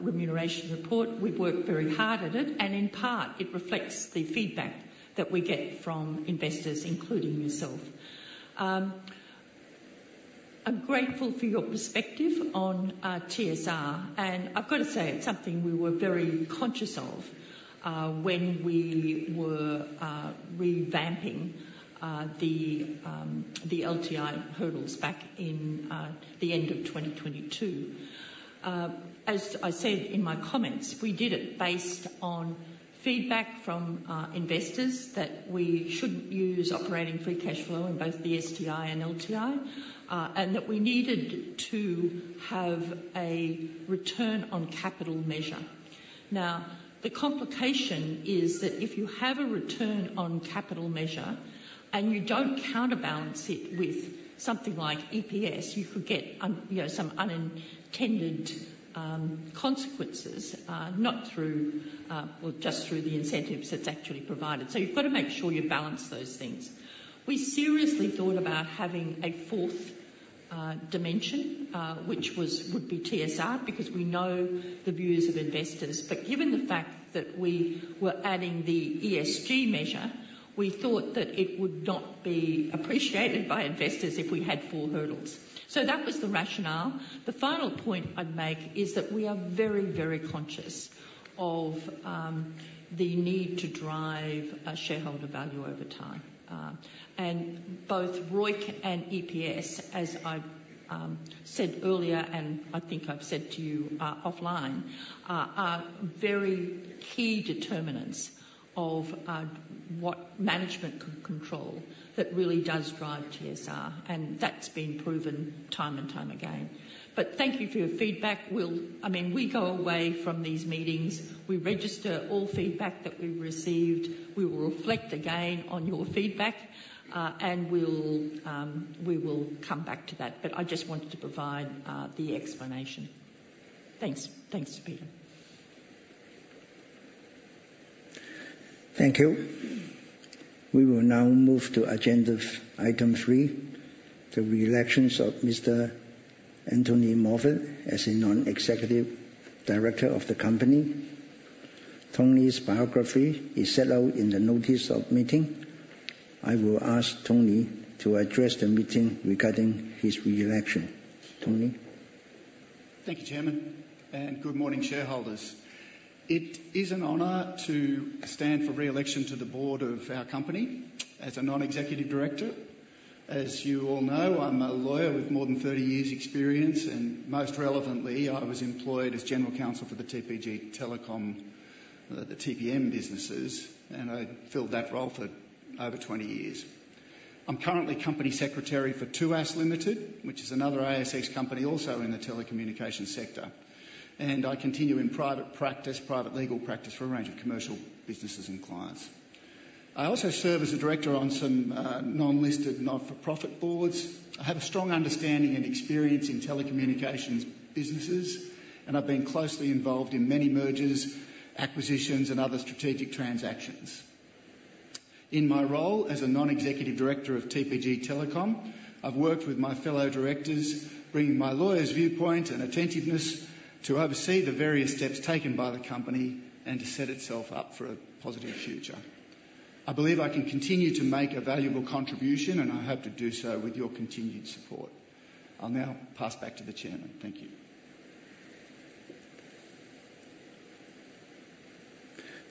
remuneration report. We've worked very hard at it, and in part, it reflects the feedback that we get from investors, including yourself. I'm grateful for your perspective on TSR, and I've got to say, it's something we were very conscious of when we were revamping the LTI hurdles back in the end of 2022. As I said in my comments, we did it based on feedback from investors that we should use operating free cash flow in both the STI and LTI, and that we needed to have a return on capital measure. Now, the complication is that if you have a return on capital measure, and you don't counterbalance it with something like EPS, you could get, you know, some unintended consequences, not through or just through the incentives that's actually provided. So you've got to make sure you balance those things. We seriously thought about having a fourth dimension, which would be TSR, because we know the views of investors. But given the fact that we were adding the ESG measure, we thought that it would not be appreciated by investors if we had four hurdles. So that was the rationale. The final point I'd make is that we are very, very conscious of the need to drive shareholder value over time. And both ROIC and EPS, as I've said earlier, and I think I've said to you offline, are very key determinants of what management can control that really does drive TSR, and that's been proven time and time again. But thank you for your feedback. We'll, I mean, we go away from these meetings, we register all feedback that we've received. We will reflect again on your feedback, and we'll come back to that. But I just wanted to provide the explanation. Thanks. Thanks, Peter. Thank you. We will now move to agenda item three, the re-election of Mr. Antony Moffatt as a Non-Executive Director of the company. Tony's biography is set out in the notice of meeting. I will ask Tony to address the meeting regarding his re-election. Tony? Thank you, Chairman, and good morning, shareholders. It is an honor to stand for reelection to the board of our company as a Non-Executive Director. As you all know, I'm a lawyer with more than 30 years experience, and most relevantly, I was employed as General Counsel for the TPG Telecom, the TPM businesses, and I filled that role for over 20 years. I'm currently Company Secretary for Tuas Limited, which is another ASX company, also in the telecommunications sector. I continue in private practice, private legal practice for a range of commercial businesses and clients. I also serve as a director on some non-listed, not-for-profit boards. I have a strong understanding and experience in telecommunications businesses, and I've been closely involved in many mergers, acquisitions, and other strategic transactions. In my role as a Non-Executive Director of TPG Telecom, I've worked with my fellow directors, bringing my lawyer's viewpoint and attentiveness to oversee the various steps taken by the company and to set itself up for a positive future. I believe I can continue to make a valuable contribution, and I hope to do so with your continued support. I'll now pass back to the Chairman. Thank you.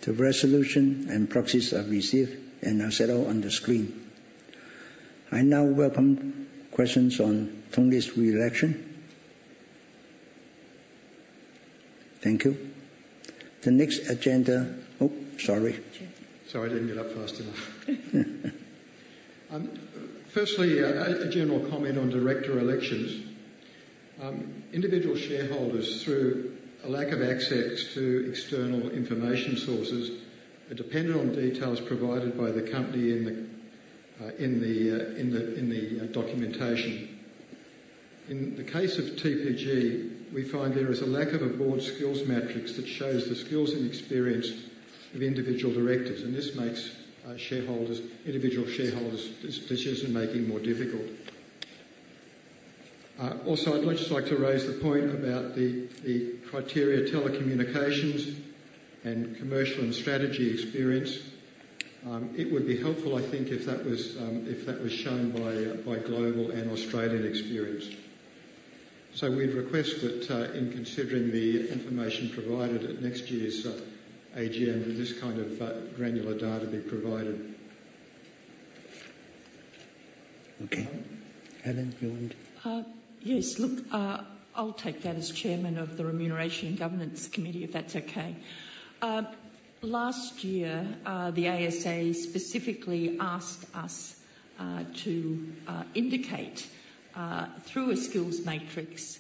The resolution and proxies are received and are set out on the screen. I now welcome questions on Tony's reelection. Thank you. The next agenda... Oh, sorry. Sorry, I didn't get up fast enough. Firstly, a general comment on director elections. Individual shareholders, through a lack of access to external information sources, are dependent on details provided by the company in the documentation. In the case of TPG, we find there is a lack of a broad skills matrix that shows the skills and experience of individual directors, and this makes shareholders, individual shareholders' decision-making more difficult. Also, I'd just like to raise the point about the criteria telecommunications and commercial and strategy experience. It would be helpful, I think, if that was shown by global and Australian experience. So we'd request that, in considering the information provided at next year's AGM, that this kind of granular data be provided. Okay. Helen, you want? Yes. Look, I'll take that as Chairman of the Remuneration and Governance Committee, if that's okay. Last year, the ASA specifically asked us to indicate through a skills matrix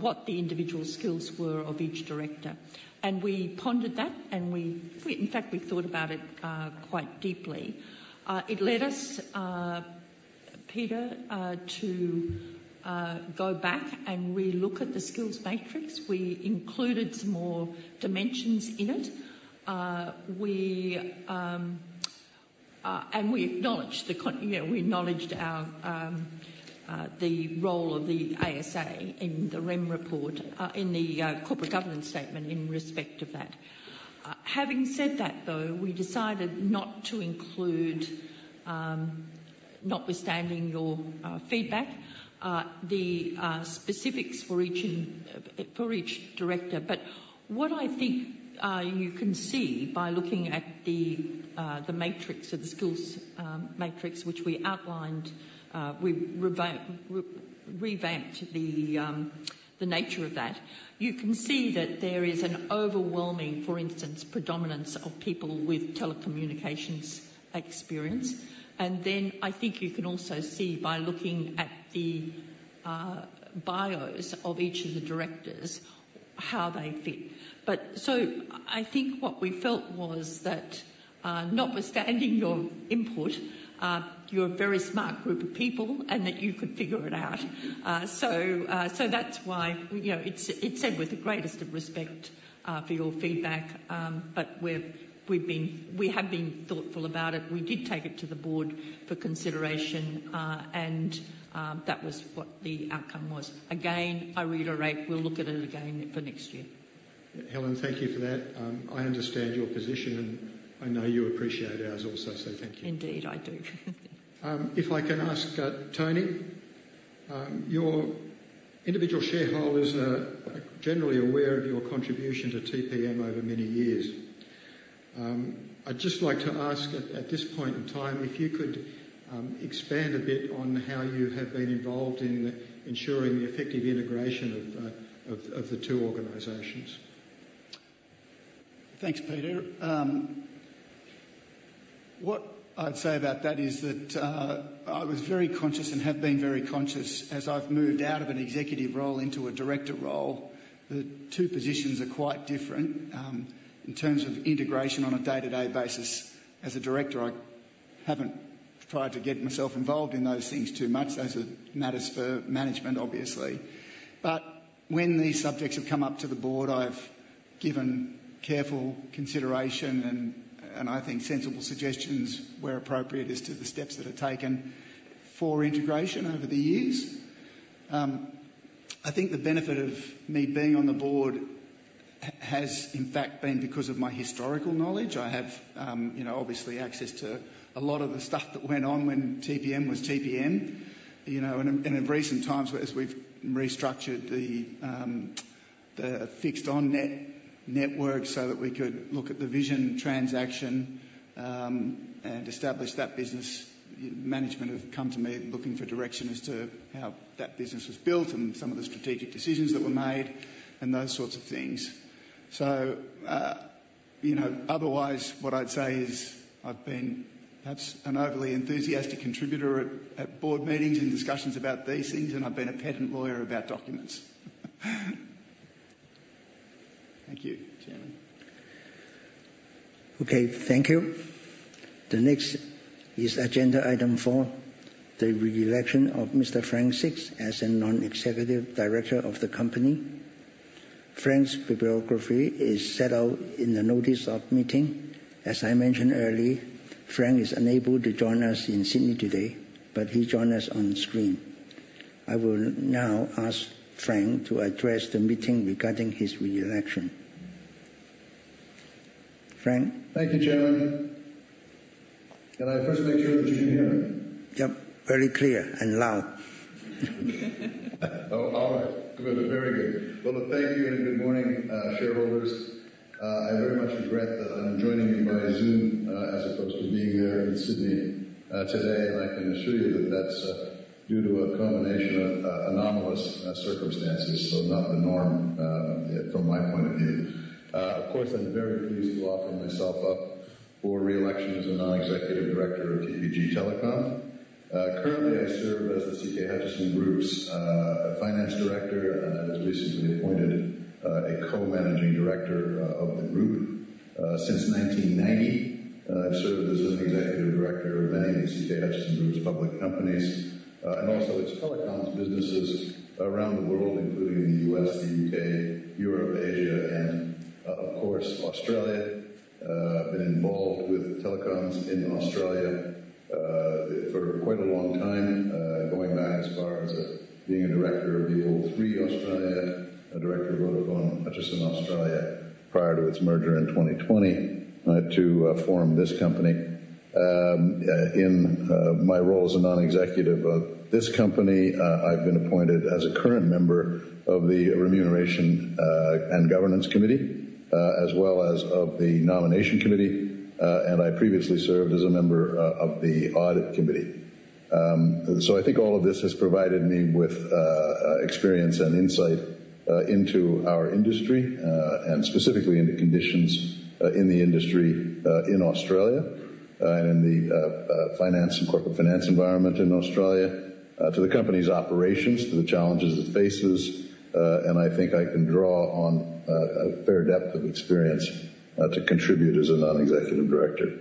what the individual skills were of each director. And we pondered that, and we, we in fact, we thought about it quite deeply. It led us, Peter, to go back and relook at the skills matrix. We included some more dimensions in it. We, and we acknowledged you know, we acknowledged our the role of the ASA in the Remuneration Report, in the corporate governance statement in respect to that. Having said that, though, we decided not to include-... notwithstanding your feedback, the specifics for each and, for each director. But what I think you can see by looking at the matrix of the skills matrix, which we outlined, we revamped the nature of that. You can see that there is an overwhelming, for instance, predominance of people with telecommunications experience, and then I think you can also see by looking at the bios of each of the directors, how they fit. But so I think what we felt was that, notwithstanding your input, you're a very smart group of people and that you could figure it out. So that's why, you know, it's said with the greatest of respect for your feedback, but we have been thoughtful about it. We did take it to the board for consideration, and that was what the outcome was. Again, I reiterate, we'll look at it again for next year. Helen, thank you for that. I understand your position, and I know you appreciate ours also, so thank you. Indeed, I do. If I can ask, Tony, your individual shareholders are generally aware of your contribution to TPG over many years. I'd just like to ask at this point in time, if you could expand a bit on how you have been involved in ensuring the effective integration of the two organizations. Thanks, Peter. What I'd say about that is that, I was very conscious and have been very conscious as I've moved out of an executive role into a director role. The two positions are quite different. In terms of integration on a day-to-day basis, as a director, I haven't tried to get myself involved in those things too much. Those are matters for management, obviously. But when these subjects have come up to the board, I've given careful consideration and I think sensible suggestions, where appropriate, as to the steps that are taken for integration over the years. I think the benefit of me being on the board has in fact been because of my historical knowledge. I have, you know, obviously access to a lot of the stuff that went on when TPG was TPG, you know, and in recent times, as we've restructured the fixed on-net network so that we could look at the Vision transaction, and establish that business, management have come to me looking for direction as to how that business was built and some of the strategic decisions that were made and those sorts of things. So, you know, otherwise, what I'd say is, I've been perhaps an overly enthusiastic contributor at board meetings and discussions about these things, and I've been a patent lawyer about documents. Thank you, Chairman. Okay, thank you. The next is agenda item four, the re-election of Mr. Frank Sixt as a Non-Executive Director of the company. Frank's biography is set out in the notice of meeting. As I mentioned earlier, Frank is unable to join us in Sydney today, but he joined us on screen. I will now ask Frank to address the meeting regarding his re-election. Frank? Thank you, Chairman. Can I first make sure that you can hear me? Yep, very clear and loud. Oh, all right. Good. Very good. Well, thank you, and good morning, shareholders. I very much regret that I'm joining you by Zoom, as opposed to being there in Sydney, today, and I can assure you that that's due to a combination of anomalous circumstances, so not the norm from my point of view. Of course, I'm very pleased to offer myself up for re-election as a Non-Executive Director of TPG Telecom. Currently, I serve as the CK Hutchison Group's Finance Director, and I was recently appointed a Co-Managing Director of the group. Since 1990, I've served as an Executive Director of many of the CK Hutchison Group's public companies, and also its telecoms businesses around the world, including in the U.S., the U.K., Europe, Asia, and of course, Australia. I've been involved with telecoms in Australia for quite a long time, going back as far as being a Director of the old Three Australia, a Director of Vodafone Hutchison Australia, prior to its merger in 2020 to form this company. In my role as a Non-Executive Director of this company, I've been appointed as a current member of the Remuneration and Governance Committee, as well as of the Nomination Committee, and I previously served as a member of the Audit Committee. So I think all of this has provided me with experience and insight into our industry and specifically into conditions in the industry in Australia and in the finance and corporate finance environment in Australia to the company's operations to the challenges it faces and I think I can draw on a fair depth of experience to contribute as a Non-Executive Director.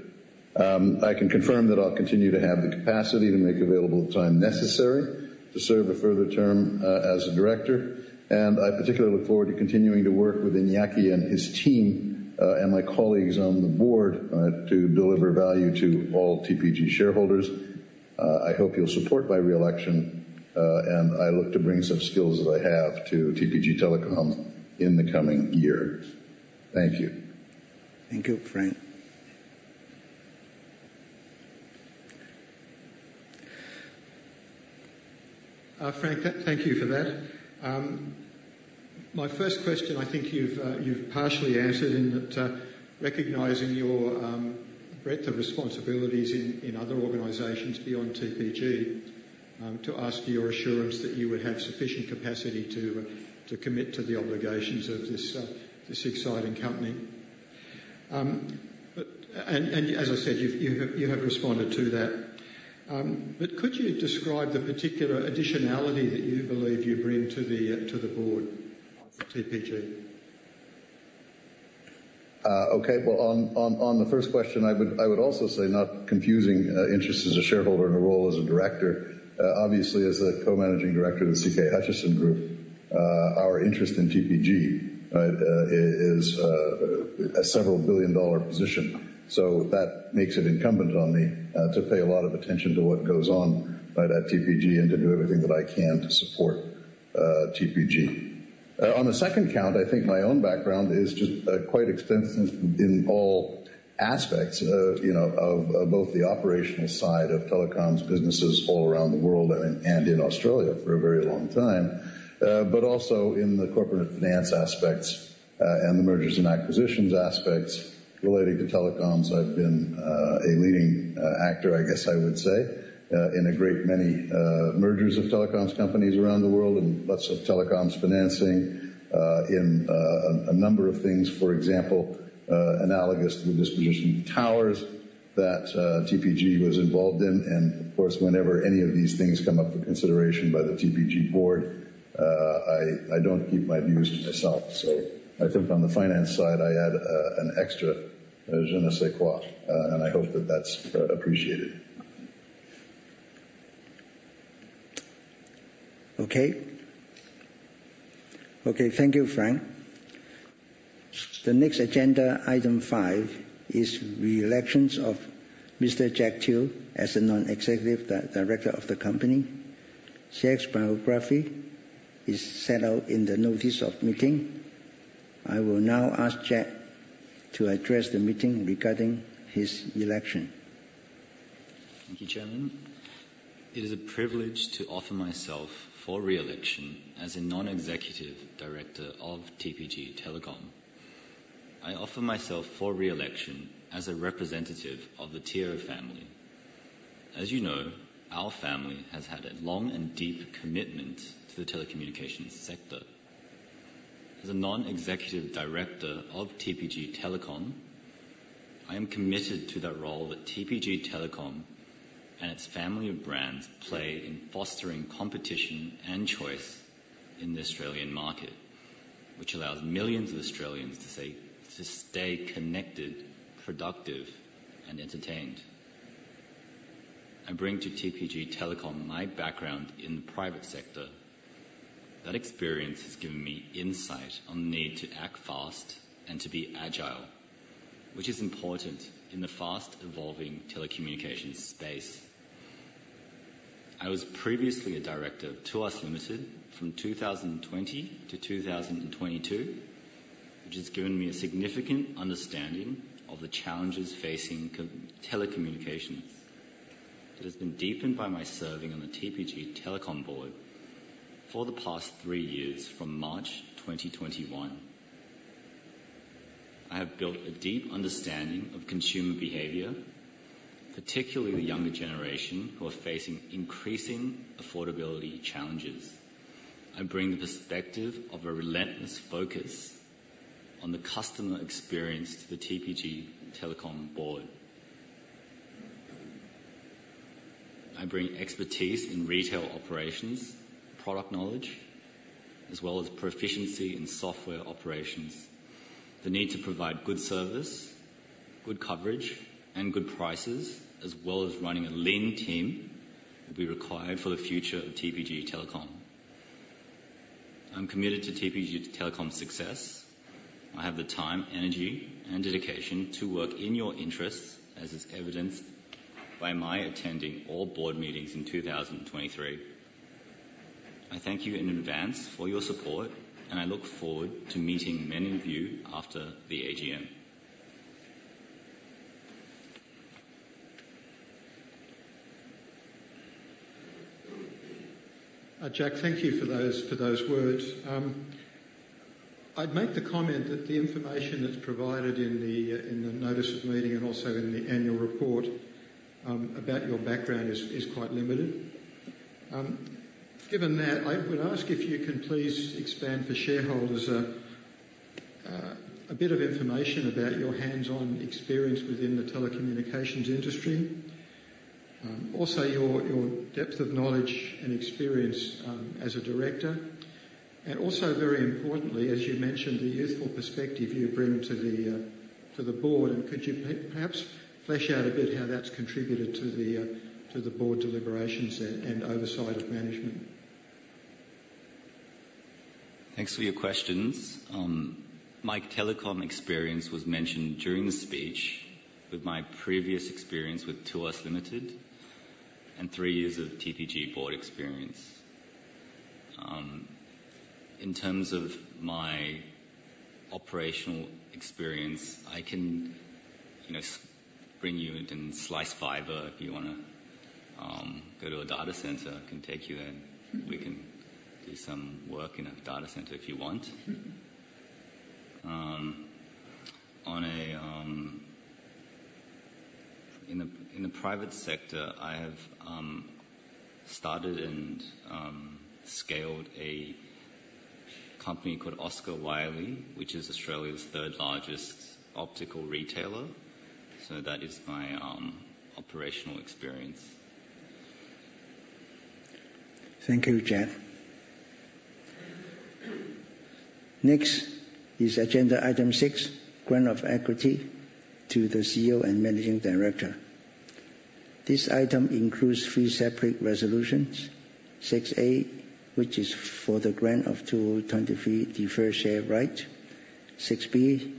I can confirm that I'll continue to have the capacity to make available time necessary to serve a further term as a Director, and I particularly look forward to continuing to work with Iñaki and his team and my colleagues on the board to deliver value to all TPG shareholders.... I hope you'll support my re-election, and I look to bring some skills that I have to TPG Telecom in the coming years. Thank you. Thank you, Frank. Frank, thank you for that. My first question, I think you've partially answered in that, recognizing your breadth of responsibilities in other organizations beyond TPG, to ask for your assurance that you would have sufficient capacity to commit to the obligations of this exciting company. But, as I said, you've responded to that. But could you describe the particular additionality that you believe you bring to the board of TPG? Okay. Well, on the first question, I would also say not confusing interest as a shareholder and a role as a Director. Obviously, as a Co-Managing Director of the CK Hutchison Group, our interest in TPG is a several billion-dollar position. So that makes it incumbent on me to pay a lot of attention to what goes on by that TPG, and to do everything that I can to support TPG. On the second count, I think my own background is just quite extensive in all aspects of, you know, both the operational side of telecoms businesses all around the world and in Australia for a very long time. But also in the corporate finance aspects and the mergers and acquisitions aspects relating to telecoms. I've been a leading actor, I guess I would say, in a great many mergers of telecoms companies around the world and lots of telecoms financing in a number of things. For example, analogous to the disposition of towers that TPG was involved in. And of course, whenever any of these things come up for consideration by the TPG board, I don't keep my views to myself. So I think on the finance side, I add an extra je ne sais quoi, and I hope that that's appreciated. Okay. Okay, thank you, Frank. The next agenda item, five, is re-election of Mr. Jack Teoh as a Non-Executive Director of the company. Jack's biography is set out in the notice of meeting. I will now ask Jack to address the meeting regarding his election. Thank you, Chairman. It is a privilege to offer myself for re-election as a Non-Executive Director of TPG Telecom. I offer myself for re-election as a representative of the Teoh family. As you know, our family has had a long and deep commitment to the telecommunications sector. As a Non-Executive Director of TPG Telecom, I am committed to the role that TPG Telecom and its family of brands play in fostering competition and choice in the Australian market, which allows millions of Australians to say, to stay connected, productive, and entertained. I bring to TPG Telecom my background in the private sector. That experience has given me insight on the need to act fast and to be agile, which is important in the fast-evolving telecommunications space. I was previously a Director of iiNet Limited from 2020 to 2022, which has given me a significant understanding of the challenges facing telecommunications. It has been deepened by my serving on the TPG Telecom board for the past three years, from March 2021. I have built a deep understanding of consumer behavior, particularly the younger generation, who are facing increasing affordability challenges. I bring the perspective of a relentless focus on the customer experience to the TPG Telecom board. I bring expertise in retail operations, product knowledge, as well as proficiency in software operations. The need to provide good service, good coverage, and good prices, as well as running a lean team, will be required for the future of TPG Telecom. I'm committed to TPG Telecom's success. I have the time, energy, and dedication to work in your interests, as is evidenced by my attending all board meetings in 2023. I thank you in advance for your support, and I look forward to meeting many of you after the AGM. Jack, thank you for those, for those words. I'd make the comment that the information that's provided in the, in the notice of meeting and also in the annual report, about your background is, is quite limited. Given that, I would ask if you can please expand for shareholders, a bit of information about your hands-on experience within the telecommunications industry. Also your, your depth of knowledge and experience, as a Director, and also, very importantly, as you mentioned, the youthful perspective you bring to the, to the board. Could you perhaps flesh out a bit how that's contributed to the, to the board deliberations and, and oversight of management?... Thanks for your questions. My telecom experience was mentioned during the speech with my previous experience with Tuas Limited and three years of TPG board experience. In terms of my operational experience, I can, you know, splice fiber if you want to go to a data center. I can take you there, and we can do some work in a data center if you want. On a, in a private sector, I have started and scaled a company called Oscar Wylee, which is Australia's third-largest optical retailer. So that is my operational experience. Thank you, Jack. Next is agenda item 6, Grant of Equity to the CEO and Managing Director. This item includes three separate resolutions. 6A, which is for the grant of 2023 Deferred Share Rights. 6B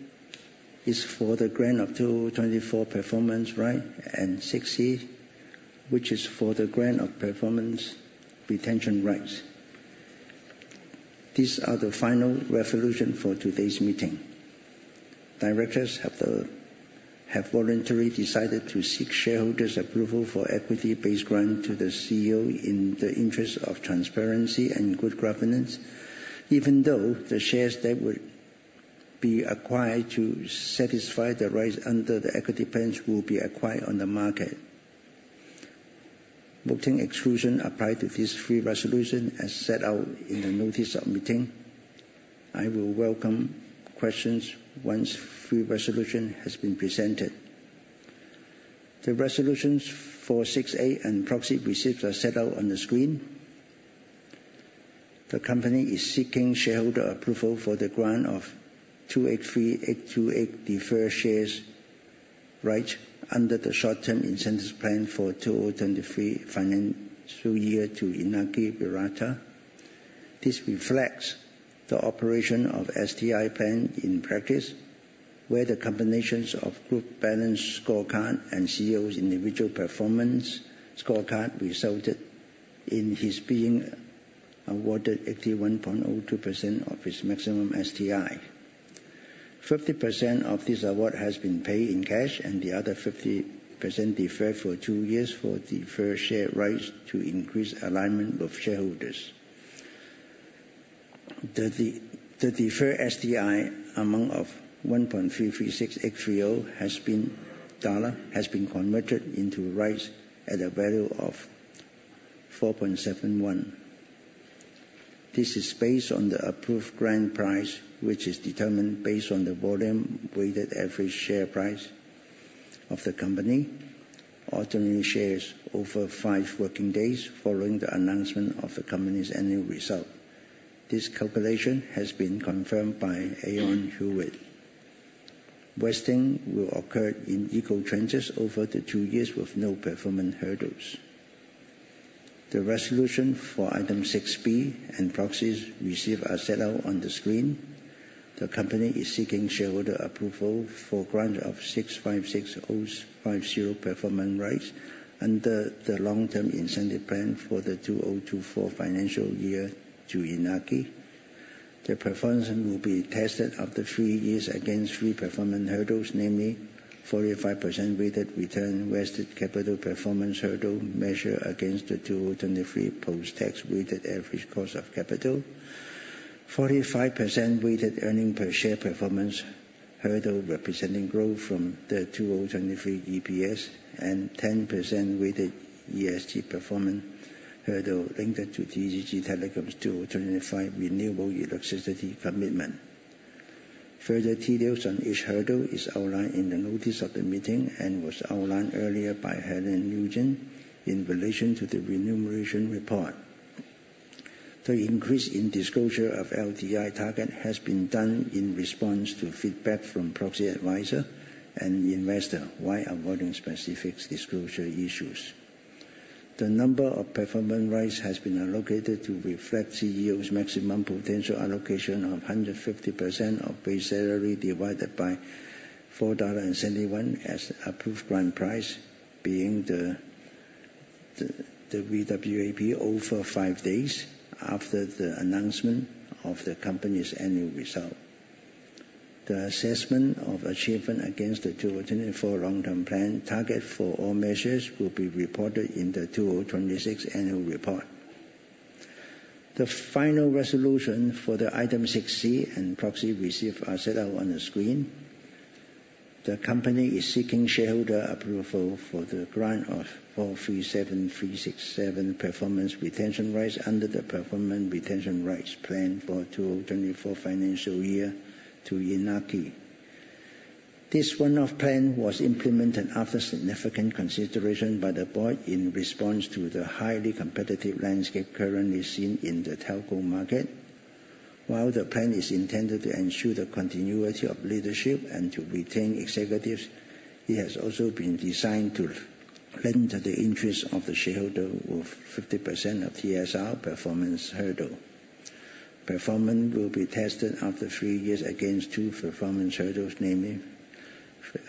is for the grant of 2024 Performance Rights, and 6C, which is for the grant of Performance Retention Rights. These are the final resolutions for today's meeting. Directors have voluntarily decided to seek shareholders' approval for equity-based grants to the CEO in the interest of transparency and good governance, even though the shares that would be acquired to satisfy the rights under the equity plan will be acquired on the market. Voting exclusions apply to these three resolutions as set out in the notice of meeting. I will welcome questions once these three resolutions have been presented. The resolutions for 6A and proxy receipts are set out on the screen. The company is seeking shareholder approval for the grant of 283,828 Deferred Share Rights under the Short-Term Incentive Plan for 2023 financial year to Iñaki Berroeta. This reflects the operation of STI plan in practice, where the combinations of Group Balanced Scorecard and CEO's individual performance scorecard resulted in his being awarded 81.02% of his maximum STI. 50% of this award has been paid in cash, and the other 50% deferred for two years for Deferred Share Rights to increase alignment with shareholders. The deferred STI amount of 1,336,830 dollar has been converted into rights at a value of 4.71. This is based on the approved grant price, which is determined based on the volume-weighted average share price of the company, ordinary shares over five working days following the announcement of the company's annual result. This calculation has been confirmed by Aon Hewitt. Vesting will occur in equal tranches over the two years with no performance hurdles. The resolution for item 6B and proxies received are set out on the screen. The company is seeking shareholder approval for grant of 656,050 Performance Rights under the Long-Term Incentive Plan for the 2024 financial year to Iñaki. The performance will be tested after three years against three performance hurdles, namely 45% weighted return on invested capital performance hurdle measure against the 2023 post-tax weighted average cost of capital. 45% weighted earnings per share performance hurdle, representing growth from the 2023 EPS, and 10% weighted ESG performance hurdle linked to TPG Telecom's 2025 renewable electricity commitment. Further details on each hurdle is outlined in the notice of the meeting and was outlined earlier by Helen Nugent in relation to the remuneration report. The increase in disclosure of LTI target has been done in response to feedback from proxy advisor and investor, while avoiding specific disclosure issues. The number of Performance Rights has been allocated to reflect CEO's maximum potential allocation of 150% of base salary, divided by 4.71 dollar as approved grant price, being the VWAP over five days after the announcement of the company's annual result. The assessment of achievement against the 2024 long-term plan target for all measures will be reported in the 2026 annual report. The final resolution for the item 6C and proxy received are set out on the screen. The company is seeking shareholder approval for the grant of 437,367 Performance Retention Rights under the Performance Retention Rights Plan for 2024 financial year to Iñaki. This one-off plan was implemented after significant consideration by the board in response to the highly competitive landscape currently seen in the telco market. While the plan is intended to ensure the continuity of leadership and to retain executives, it has also been designed to lend to the interest of the shareholder with 50% of TSR performance hurdle. Performance will be tested after three years against two performance hurdles, namely,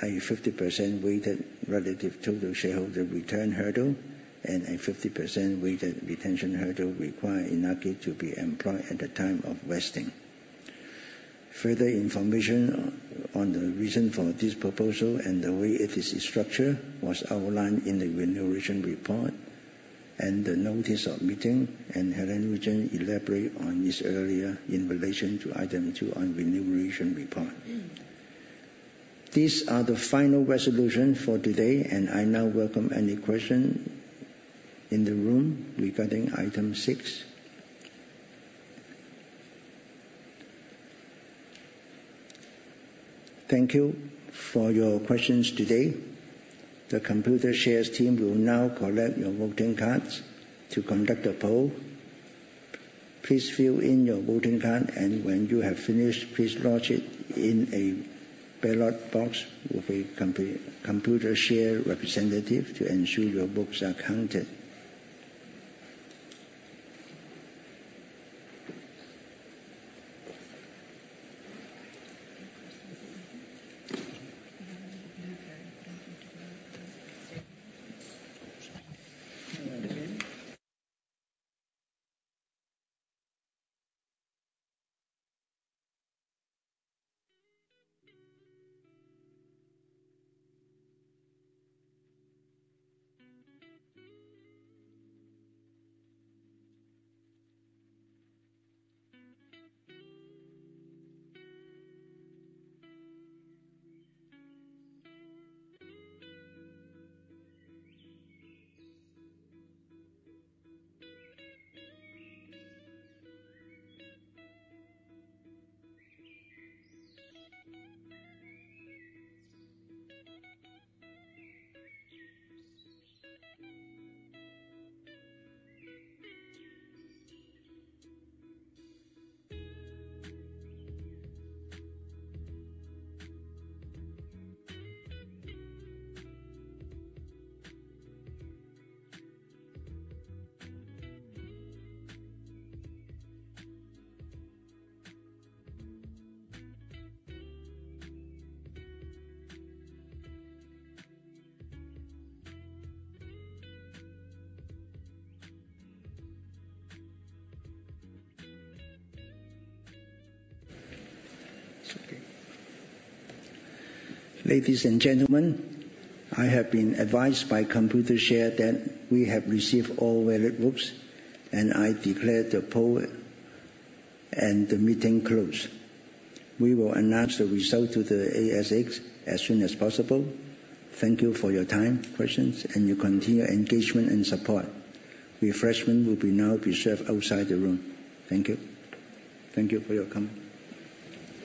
a 50% weighted relative total shareholder return hurdle and a 50% weighted retention hurdle requiring the grantee to be employed at the time of vesting. Further information on the reason for this proposal and the way it is structured was outlined in the remuneration report and the notice of meeting, and Helen Nugent elaborated on this earlier in relation to item two on remuneration report. These are the final resolution for today, and I now welcome any question in the room regarding item six. Thank you for your questions today. The Computershare team will now collect your voting cards to conduct a poll. Please fill in your voting card, and when you have finished, please lodge it in a ballot box with a Computershare representative to ensure your votes are counted. Ladies and gentlemen, I have been advised by Computershare that we have received all valid votes, and I declare the poll and the meeting closed. We will announce the result to the ASX as soon as possible. Thank you for your time, questions, and your continued engagement and support. Refreshments will now be served outside the room. Thank you. Thank you for coming.